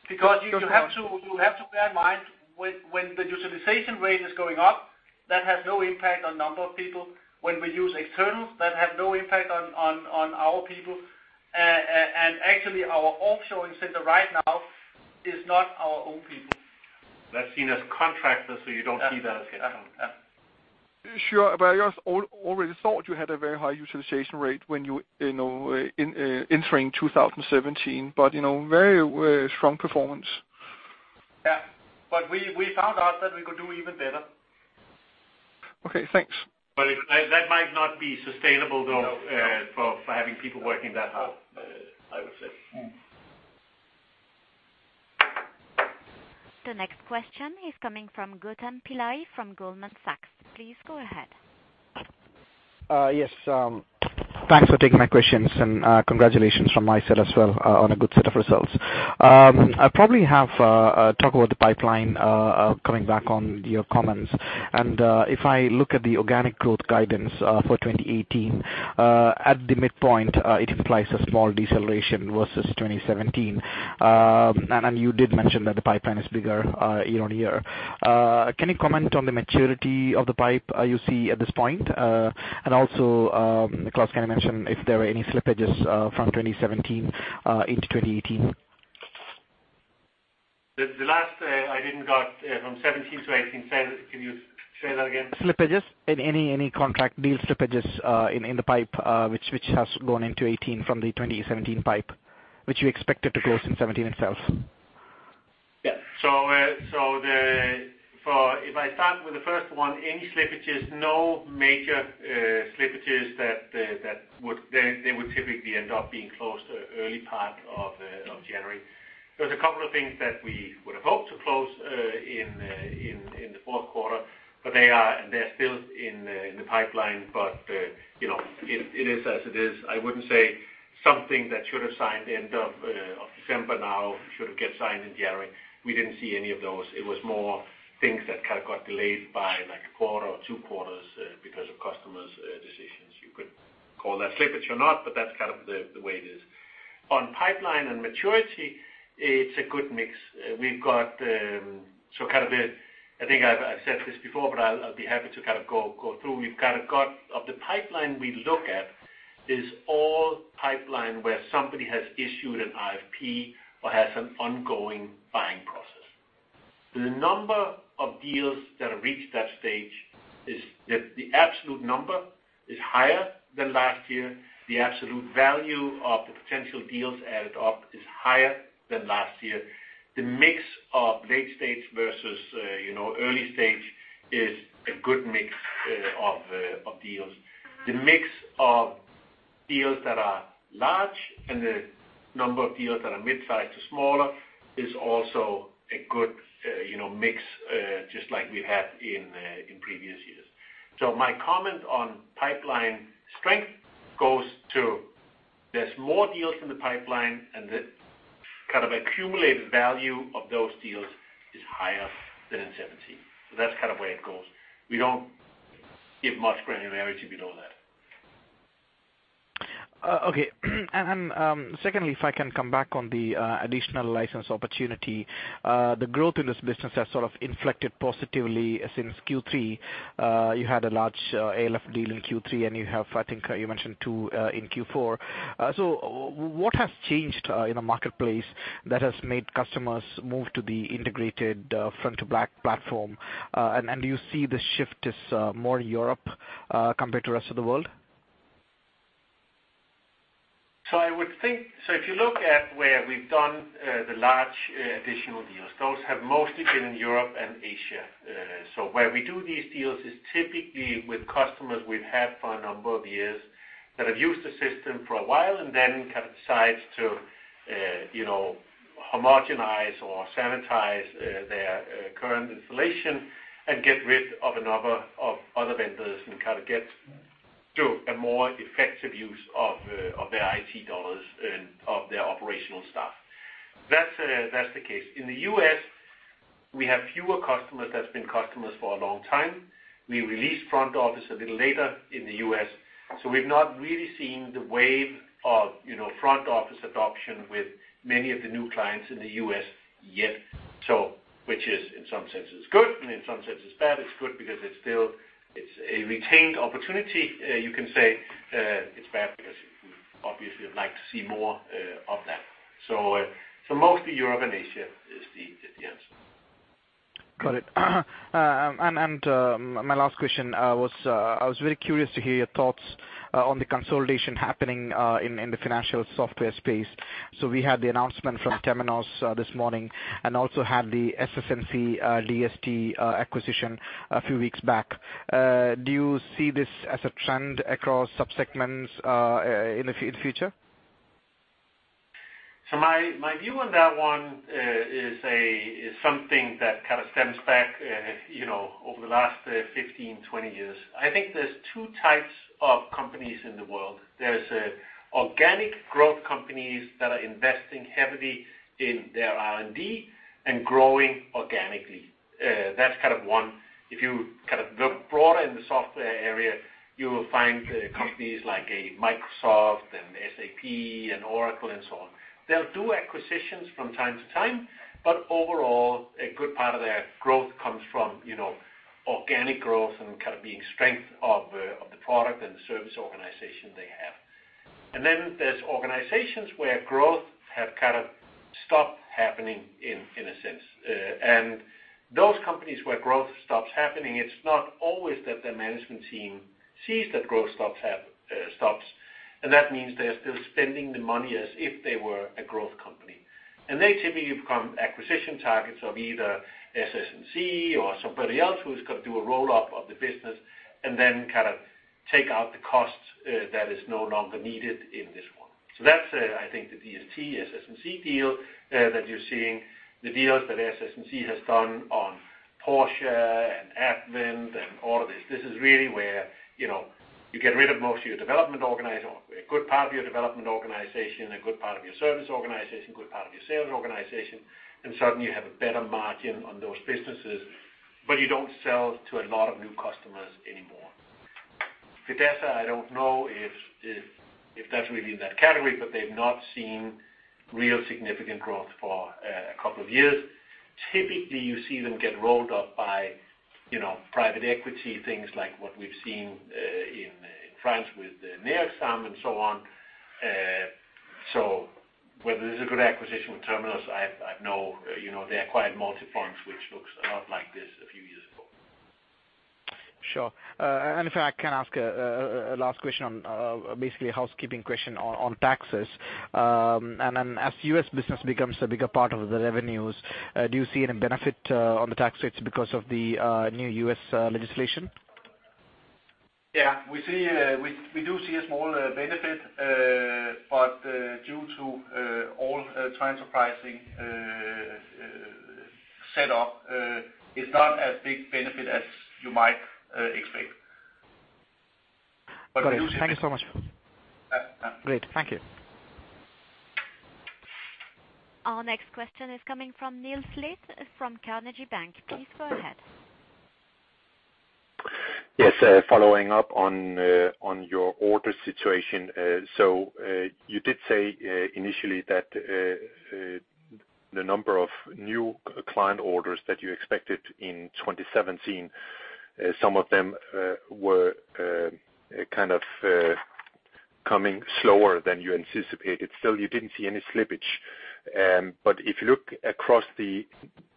because you have to bear in mind when the utilization rate is going up, that has no impact on number of people. When we use externals, that has no impact on our people. Actually our offshoring center right now is not our own people. That's seen as contractors, you don't see that. Yeah. Sure, I just already thought you had a very high utilization rate when you entering 2017. Very strong performance. Yeah. We found out that we could do even better. Okay, thanks. That might not be sustainable, though. No for having people working that hard, I would say. The next question is coming from Gautam Pillai from Goldman Sachs. Please go ahead. Yes. Thanks for taking my questions and congratulations from my side as well on a good set of results. I probably have talk about the pipeline, coming back on your comments. If I look at the organic growth guidance for 2018, at the midpoint it implies a small deceleration versus 2017. You did mention that the pipeline is bigger year on year. Can you comment on the maturity of the pipe you see at this point? Also, Klaus, can you mention if there are any slippages from 2017 into 2018? The last I didn't got from 2017 to 2018 sales. Can you say that again? Slippages. Any contract deal slippages in the pipe which has gone into 2018 from the 2017 pipe, which you expected to close in 2017 itself. If I start with the first one, any slippages, no major slippages. They would typically end up being closed early part of January. There's a couple of things that we would've hoped to close in the fourth quarter, but they are still in the pipeline. It is as it is. I wouldn't say something that should have signed the end of December, now should get signed in January. We didn't see any of those. It was more things that kind of got delayed by a quarter or 2 quarters because of customers' decisions. You could call that slippage or not, but that's kind of the way it is. On pipeline and maturity, it's a good mix. I think I've said this before, I'll be happy to go through. Of the pipeline we look at, is all pipeline where somebody has issued an RFP or has an ongoing buying process. The number of deals that have reached that stage, the absolute number is higher than last year. The absolute value of the potential deals added up is higher than last year. The mix of late stage versus early stage is a good mix of deals. The mix of deals that are large and the number of deals that are mid-size to smaller is also a good mix, just like we had in previous years. My comment on pipeline strength goes to, there's more deals in the pipeline, and the accumulated value of those deals is higher than in 2017. That's kind of where it goes. We don't give much granularity below that. Secondly, if I can come back on the additional license opportunity. The growth in this business has sort of inflected positively since Q3. You had a large ALF deal in Q3, and you have, I think you mentioned two in Q4. What has changed in the marketplace that has made customers move to the integrated front-to-back platform? Do you see the shift is more in Europe compared to rest of the world? If you look at where we've done the large additional deals, those have mostly been in Europe and Asia. Where we do these deals is typically with customers we've had for a number of years that have used the system for a while and then kind of decides to homogenize or sanitize their current installation and get rid of other vendors and kind of get to a more effective use of their IT dollars and of their operational staff. That's the case. In the U.S., we have fewer customers that's been customers for a long time. We released front office a little later in the U.S., so we've not really seen the wave of front office adoption with many of the new clients in the U.S. yet. It is in some sense good and in some sense bad. It's good because it's a retained opportunity, you can say. It's bad because we obviously would like to see more of that. Mostly Europe and Asia is the answer. Got it. My last question was, I was very curious to hear your thoughts on the consolidation happening in the financial software space. We had the announcement from Temenos this morning, also had the SS&C DST acquisition a few weeks back. Do you see this as a trend across sub-segments in the future? My view on that one is something that kind of stems back over the last 15, 20 years. I think there's 2 types of companies in the world. There's organic growth companies that are investing heavily in their R&D and growing organically. That's kind of one. If you kind of look broader in the software area, you will find companies like a Microsoft and SAP and Oracle and so on. They'll do acquisitions from time to time, but overall, a good part of their growth comes from organic growth and kind of being strength of the product and the service organization they have. Then there's organizations where growth have kind of stopped happening in a sense. Those companies where growth stops happening, it's not always that their management team sees that growth stops. That means they're still spending the money as if they were a growth company. They typically become acquisition targets of either SS&C or somebody else who's going to do a roll-up of the business and then kind of take out the costs that is no longer needed in this one. That's, I think the DST SS&C deal that you're seeing, the deals that SS&C has done on PORTIA and Advent and all of this. This is really where you get rid of most of your development organization, a good part of your development organization, a good part of your service organization, a good part of your sales organization, and suddenly you have a better margin on those businesses, but you don't sell to a lot of new customers anymore. Fidessa, I don't know if that's really in that category, but they've not seen real significant growth for a couple of years. Typically, you see them get rolled up by private equity things like what we've seen in France with Linedata and so on. Whether this is a good acquisition with Temenos, I have no. They acquired Multifonds, which looks a lot like this a few years ago. Sure. If I can ask a last question on, basically a housekeeping question on taxes. As U.S. business becomes a bigger part of the revenues, do you see any benefit on the tax rates because of the new U.S. legislation? Yeah. We do see a small benefit. Due to all transfer pricing set up, it's not as big benefit as you might expect. We'll see. Got it. Thank you so much. Yeah. Great. Thank you. Our next question is coming from Nils Lith from Carnegie Bank. Please go ahead. Yes. Following up on your order situation. You did say initially that the number of new client orders that you expected in 2017, some of them were kind of coming slower than you anticipated. Still, you didn't see any slippage. If you look across the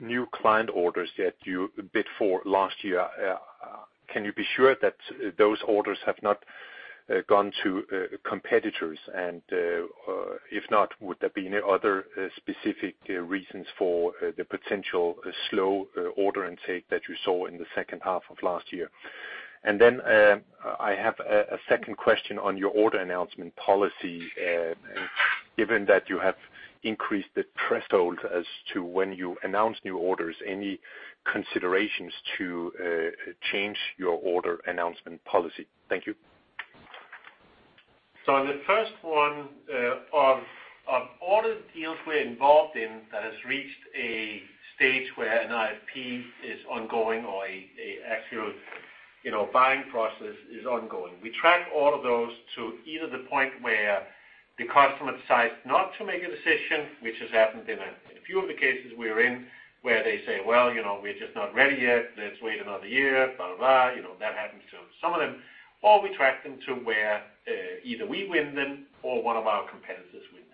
new client orders that you bid for last year, can you be sure that those orders have not gone to competitors? And if not, would there be any other specific reasons for the potential slow order intake that you saw in the second half of last year? I have a second question on your order announcement policy. Given that you have increased the threshold as to when you announce new orders, any considerations to change your order announcement policy? Thank you. The first one, of all the deals we're involved in that has reached a stage where an RFP is ongoing or an actual buying process is ongoing. We track all of those to either the point where the customer decides not to make a decision, which has happened in a few of the cases we're in, where they say, "Well, we're just not ready yet. Let's wait another year," blah, blah. That happens to some of them. Or we track them to where either we win them or one of our competitors wins.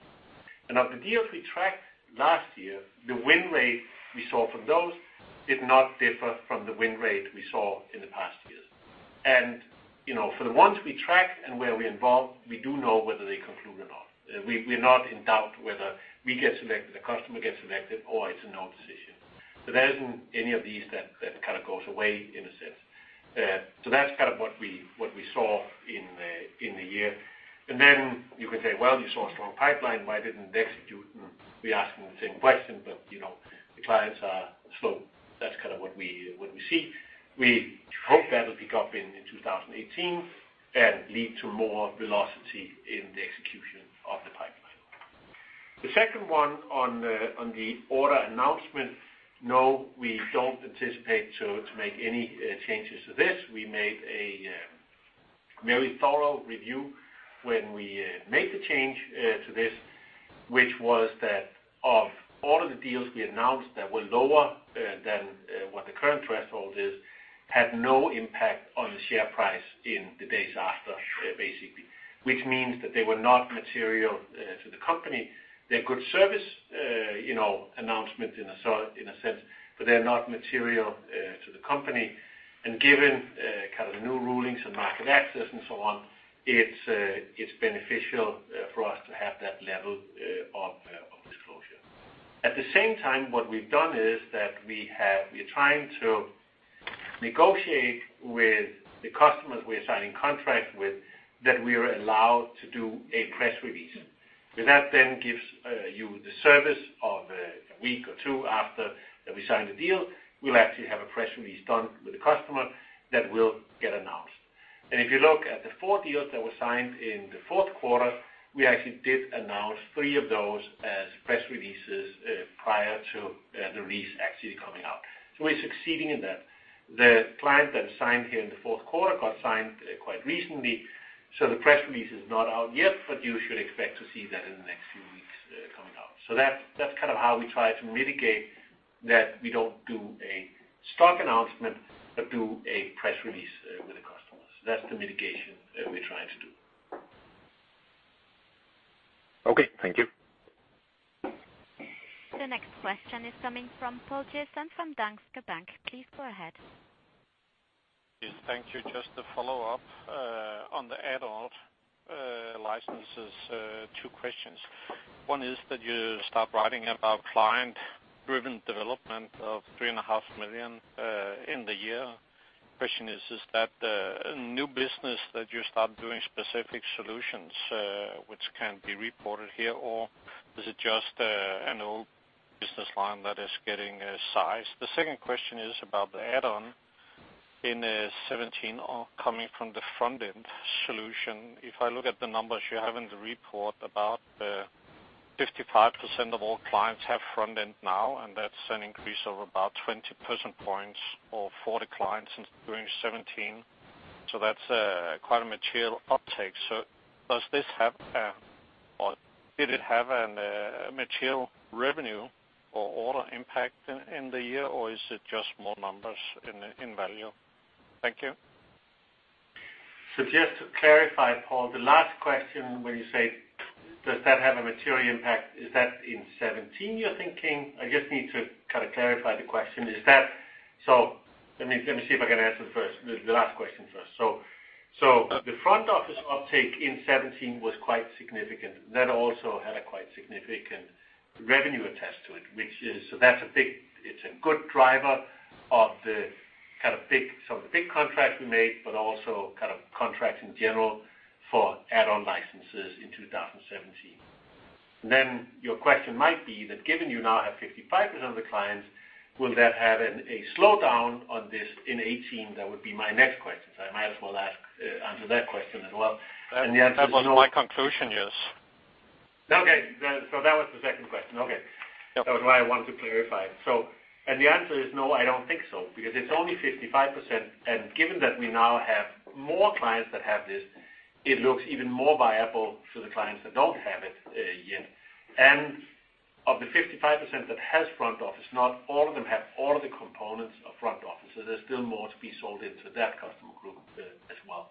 Of the deals we tracked last year, the win rate we saw from those did not differ from the win rate we saw in the past years. For the ones we track and where we're involved, we do know whether they conclude or not. We're not in doubt whether we get selected, the customer gets selected, or it's a no decision. There isn't any of these that kind of goes away in a sense. That's kind of what we saw in the year. You can say, well, you saw a strong pipeline. Why didn't they execute? We're asking the same question, but the clients are slow. That's kind of what we see. We hope that'll pick up in 2018 and lead to more velocity in the execution of the pipeline. The second one on the order announcement, no, we don't anticipate to make any changes to this. We made a very thorough review when we made the change to this, which was that of all of the deals we announced that were lower than what the current threshold is, had no impact on the share price in the days after, basically. Which means that they were not material to the company. They're good service announcements in a sense, but they're not material to the company. Given kind of the new rulings and market access and so on, it's beneficial for us to have that level of disclosure. At the same time, what we've done is that we're trying to negotiate with the customers we're signing contracts with that we are allowed to do a press release. That then gives you the service of a week or two after that we sign the deal. We'll actually have a press release done with the customer that will get announced. If you look at the four deals that were signed in the fourth quarter, we actually did announce three of those as press releases prior to the release actually coming out. We're succeeding in that. The client that signed here in the fourth quarter got signed quite recently, so the press release is not out yet, but you should expect to see that in the next few weeks coming out. That's kind of how we try to mitigate that we don't do a stock announcement but do a press release with the customers. That's the mitigation that we're trying to do. Okay. Thank you. The next question is coming from Paul Jessen from Danske Bank. Please go ahead. Yes. Thank you. Just to follow up on the add-on licenses, two questions. One is that you start writing about client-driven development of 3.5 million in the year. Question is that a new business that you start doing specific solutions, which can be reported here? Is it just an old business line that is getting size? The second question is about the add-on in 2017 coming from the front-end solution. If I look at the numbers you have in the report, about 55% of all clients have front end now, and that's an increase of about 20 percentage points or 40 clients since during 2017. That's quite a material uptake. Does this have or did it have a material revenue or order impact in the year, or is it just more numbers in value? Thank you. Just to clarify, Paul, the last question when you say, does that have a material impact, is that in 2017, you're thinking? I just need to clarify the question. Let me see if I can answer the last question first. The Front Office uptake in 2017 was quite significant. That also had a quite significant revenue attached to it. It's a good driver of some big contracts we made, but also contracts in general for add-on licenses in 2017. Your question might be that given you now have 55% of the clients, will that have a slowdown on this in 2018? That would be my next question. I might as well answer that question as well. The answer is no. That was my conclusion, yes. Okay. That was the second question. Yep. That was why I want to clarify. The answer is no, I don't think so, because it's only 55%. Given that we now have more clients that have this, it looks even more viable for the clients that don't have it yet. Of the 55% that has FrontOffice, not all of them have all of the components of FrontOffice. There's still more to be sold into that customer group as well.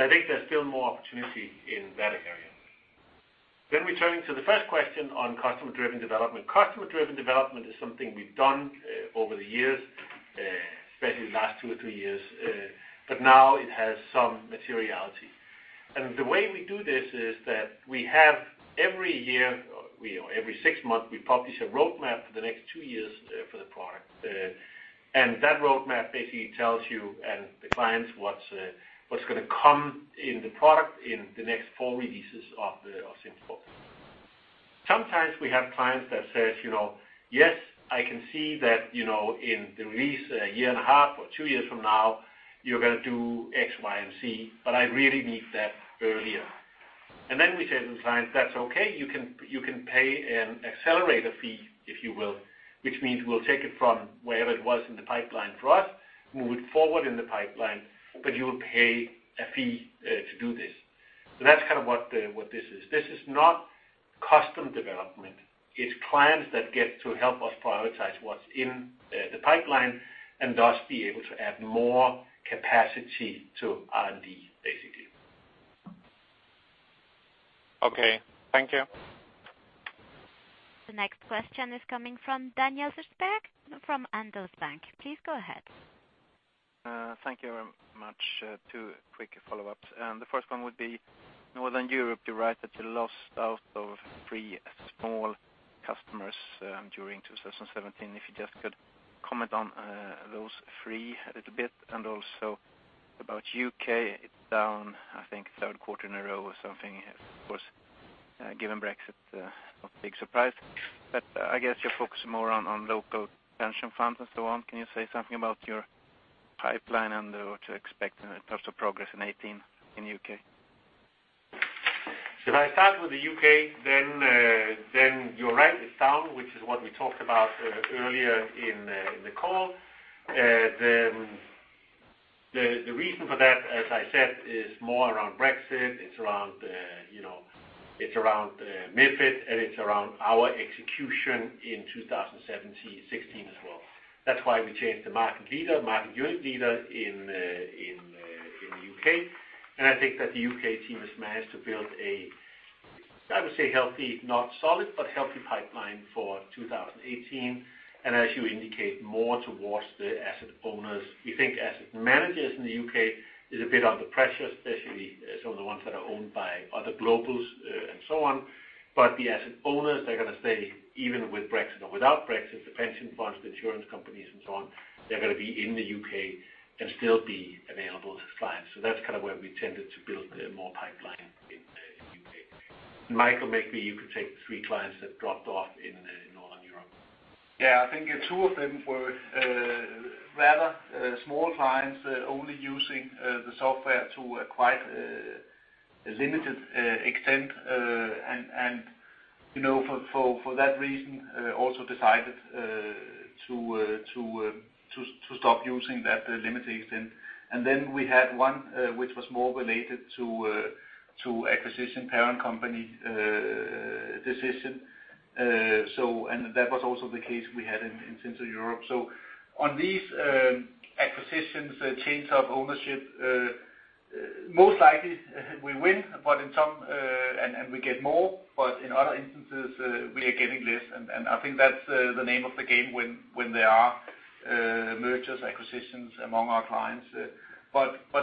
I think there's still more opportunity in that area. Returning to the first question on customer-driven development. Customer-driven development is something we've done over the years, especially the last two or three years. Now it has some materiality. The way we do this is that we have every year or every six months, we publish a roadmap for the next two years for the product. That roadmap basically tells you and the clients what's going to come in the product in the next four releases of SimCorp. Sometimes we have clients that say, "Yes, I can see that, in the release a year and a half or two years from now, you're going to do X, Y, and Z, I really need that earlier." We say to the clients, "That's okay. You can pay an accelerator fee, if you will, which means we'll take it from wherever it was in the pipeline for us, move it forward in the pipeline, you'll pay a fee to do this." That's what this is. This is not custom development. It's clients that get to help us prioritize what's in the pipeline and thus be able to add more capacity to R&D, basically. Okay. Thank you. The next question is coming from Daniel Sundberg from Handelsbanken. Please go ahead. Thank you very much. Two quick follow-ups. The first one would be Northern Europe, you write that you lost out of three small customers during 2017. If you just could comment on those three a little bit. Also about U.K., it's down, I think third quarter in a row or something. Of course given Brexit, not big surprise, but I guess you're focused more on local pension funds and so on. Can you say something about your pipeline and what to expect in terms of progress in 2018 in U.K.? If I start with the U.K., you're right, it's down, which is what we talked about earlier in the call. The reason for that, as I said, is more around Brexit, it's around MiFID, and it's around our execution in 2016 as well. That's why we changed the market unit leader in the U.K.. I think that the U.K. team has managed to build a, I would say healthy, not solid, but healthy pipeline for 2018. As you indicate, more towards the asset owners. We think asset managers in the U.K. is a bit under pressure, especially some of the ones that are owned by other globals and so on. The asset owners are going to stay even with Brexit or without Brexit, the pension funds, the insurance companies and so on, they're going to be in the U.K. and still be available as clients. That's where we tended to build more pipeline in U.K.. Michael, maybe you could take the three clients that dropped off in Northern Europe. I think two of them were rather small clients only using the software to a quite limited extent. For that reason, also decided to stop using that limited extent. Then we had one which was more related to acquisition parent company decision. That was also the case we had in Central Europe. On these acquisitions, change of ownership, most likely we win and we get more, but in other instances, we are getting less. I think that's the name of the game when there are mergers, acquisitions among our clients.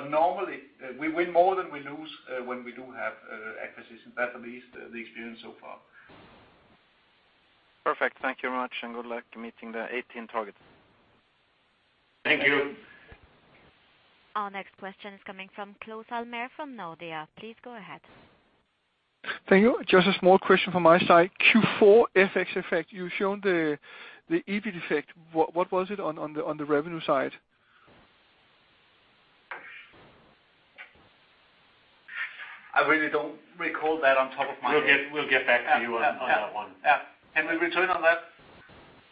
Normally we win more than we lose when we do have acquisition. That's at least the experience so far. Perfect. Thank you much, and good luck meeting the 2018 targets. Thank you. Our next question is coming from Claus Almer from Nordea. Please go ahead. Thank you. Just a small question from my side. Q4 FX effect, you've shown the EBIT effect. What was it on the revenue side? I really don't recall that on top of my head. We'll get back to you on that one. Yeah. Can we return on that?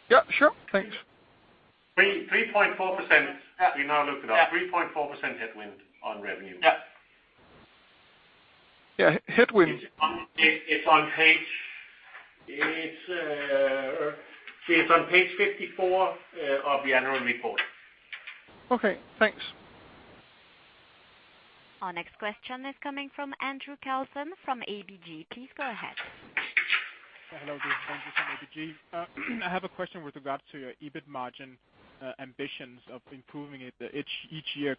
Yeah, sure. Thanks. 3.4%. Yeah. We now look it up, 3.4% headwind on revenue. Yeah. Yeah, headwind? It's on page 54 of the annual report. Okay, thanks. Our next question is coming from Andrew Kalson from ABG. Please go ahead. Hello there. Andrew from ABG. I have a question with regards to your EBIT margin ambitions of improving it each year.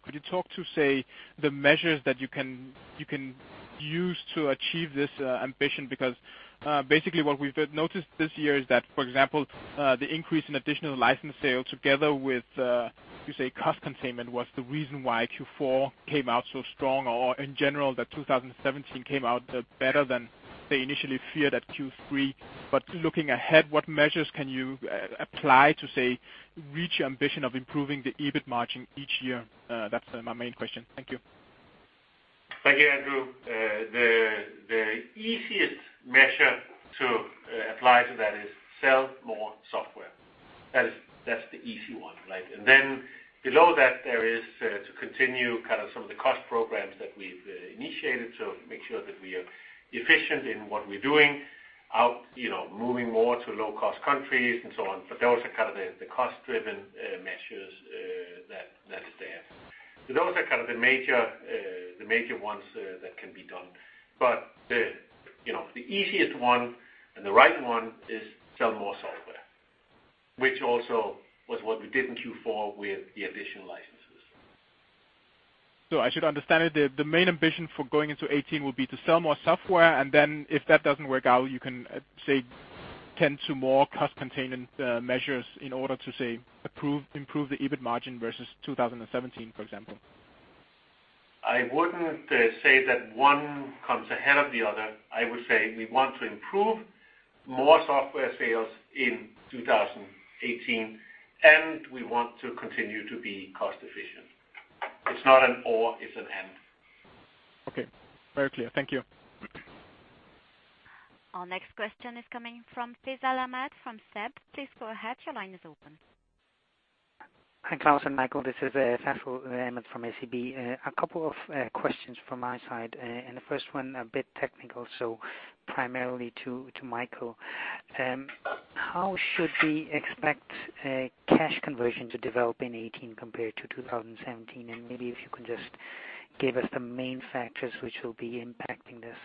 Basically what we've noticed this year is that, for example, the increase in additional license sales together with, you say cost containment, was the reason why Q4 came out so strong, or in general, that 2017 came out better than they initially feared at Q3. Looking ahead, what measures can you apply to, say, reach ambition of improving the EBIT margin each year? That's my main question. Thank you. Thank you, Andrew. The easiest measure to apply to that is sell more software. That's the easy one, right? Below that there is to continue some of the cost programs that we've initiated to make sure that we are efficient in what we're doing out, moving more to low-cost countries and so on. Those are the cost-driven measures that are there. Those are the major ones that can be done. The easiest one and the right one is sell more software, which also was what we did in Q4 with the additional licenses. I should understand it, the main ambition for going into 2018 will be to sell more software, and then if that doesn't work out, you can say 10 to more cost-containment measures in order to, say, improve the EBIT margin versus 2017, for example. I wouldn't say that one comes ahead of the other. I would say we want to improve more software sales in 2018, and we want to continue to be cost efficient. It's not an or, it's an and. Okay. Very clear. Thank you. Our next question is coming from Faisal Ahmed from SEB. Please go ahead. Your line is open. Hi, Klaus and Michael, this is Faisal Ahmed from SEB. A couple of questions from my side. The first one a bit technical, so primarily to Michael. How should we expect cash conversion to develop in 2018 compared to 2017? Maybe if you can just give us the main factors which will be impacting this.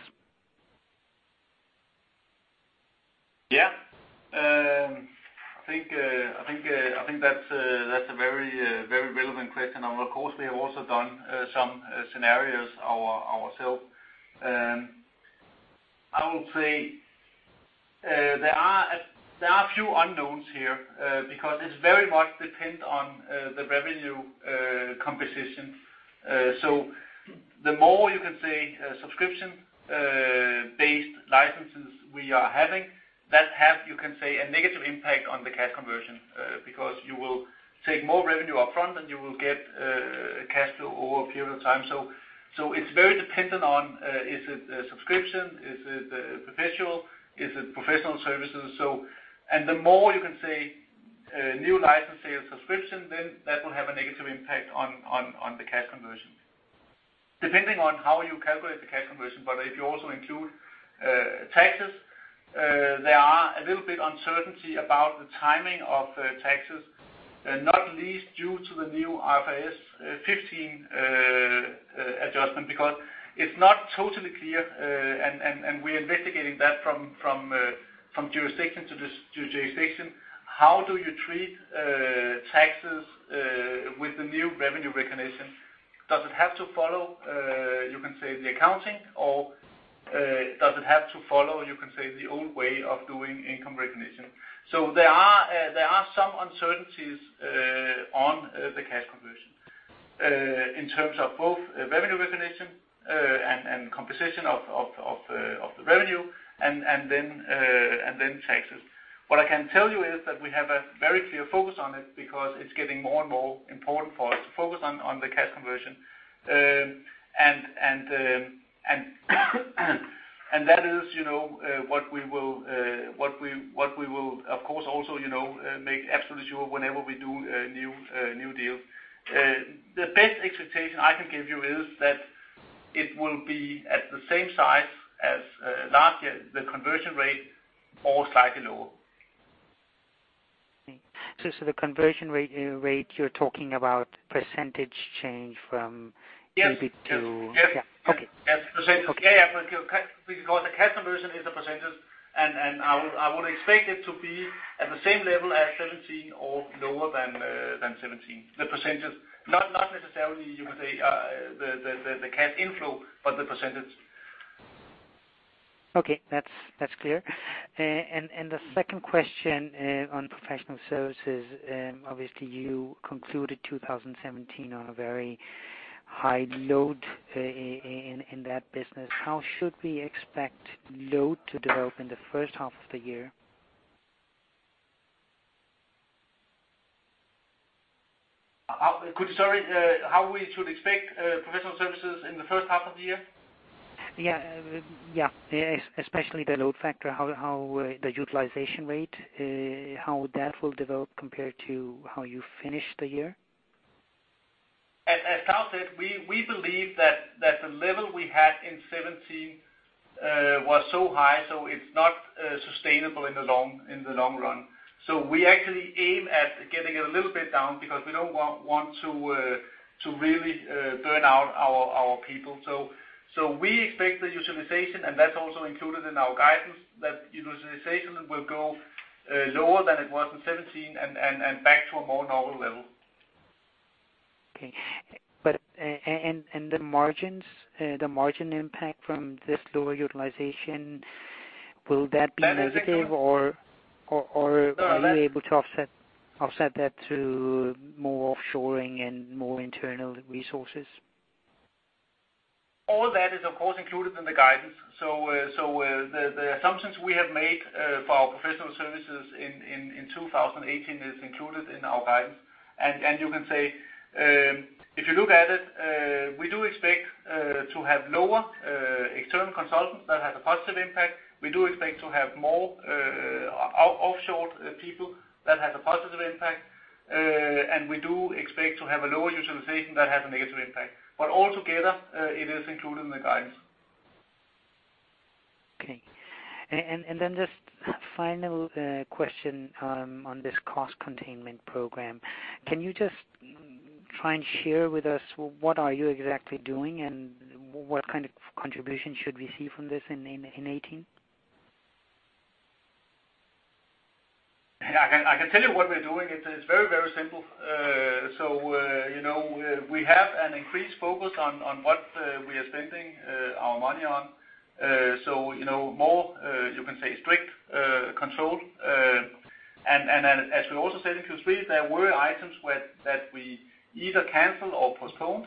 I think that's a very relevant question. Of course, we have also done some scenarios ourself. I would say there are a few unknowns here because it's very much dependent on the revenue composition. The more you can say subscription-based licenses we are having, that have, you can say, a negative impact on the cash conversion because you will take more revenue up front than you will get cash flow over a period of time. It's very dependent on is it a subscription? Is it perpetual? Is it professional services? The more you can say new license sales subscription, then that will have a negative impact on the cash conversion. Depending on how you calculate the cash conversion. If you also include taxes, there are a little bit uncertainty about the timing of the taxes, not least due to the new IFRS 15 adjustment because it's not totally clear, and we're investigating that from jurisdiction to jurisdiction. How do you treat taxes with the new revenue recognition? Does it have to follow, you can say the accounting, or does it have to follow, you can say the old way of doing income recognition? There are some uncertainties on the cash conversion in terms of both revenue recognition and composition of the revenue and then taxes. What I can tell you is that we have a very clear focus on it because it's getting more and more important for us to focus on the cash conversion. That is what we will, of course, also make absolutely sure whenever we do a new deal. The best expectation I can give you is that it will be at the same size as last year, the conversion rate, or slightly lower. The conversion rate you're talking about percentage change. Yes. EBIT. Yes. Yeah. Okay. Yes. Percentage. Yeah. The cash conversion is a percentage, and I would expect it to be at the same level as 2017 or lower than 2017. The percentage, not necessarily you would say the cash inflow, but the percentage. Okay. That's clear. The second question on professional services, obviously you concluded 2017 on a very high load in that business. How should we expect load to develop in the first half of the year? Sorry. How we should expect professional services in the first half of the year? Yeah. Especially the load factor, the utilization rate, how that will develop compared to how you finish the year? As Klaus Holse said, we believe that the level we had in 2017 was so high, it's not sustainable in the long run. We actually aim at getting it a little bit down because we don't want to really burn out our people. We expect the utilization, and that's also included in our guidance, that utilization will go lower than it was in 2017 and back to a more normal level. Okay. The margins, the margin impact from this lower utilization, will that be negative or are you able to offset that to more offshoring and more internal resources? All that is, of course, included in the guidance. The assumptions we have made for our professional services in 2018 is included in our guidance. You can say, if you look at it, we do expect to have lower external consultants that have a positive impact. We do expect to have more offshore people that has a positive impact. We do expect to have a lower utilization that has a negative impact. Altogether, it is included in the guidance. Okay. Just final question on this cost containment program. Can you just try and share with us what are you exactly doing and what kind of contribution should we see from this in 2018? I can tell you what we're doing. It's very, very simple. We have an increased focus on what we are spending our money on. More, you can say strict control. As we also said in Q3, there were items that we either cancel or postpone.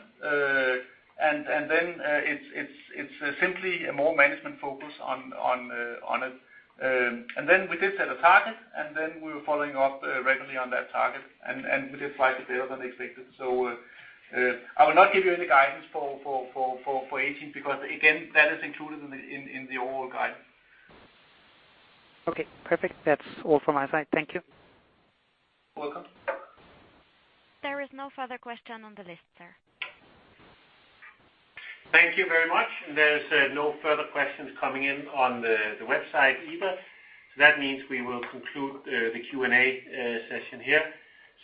It's simply a more management focus on it. We did set a target, and then we were following up regularly on that target, and we did slightly better than expected. I will not give you any guidance for 2018 because, again, that is included in the overall guidance. Okay, perfect. That's all from my side. Thank you. Welcome. There is no further question on the list, sir. Thank you very much. There's no further questions coming in on the website either. That means we will conclude the Q&A session here.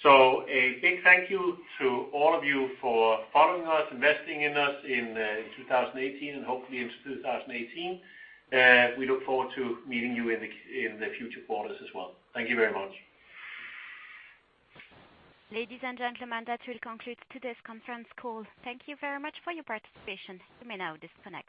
A big thank you to all of you for following us, investing in us in 2018 and hopefully into 2018. We look forward to meeting you in the future quarters as well. Thank you very much. Ladies and gentlemen, that will conclude today's conference call. Thank you very much for your participation. You may now disconnect.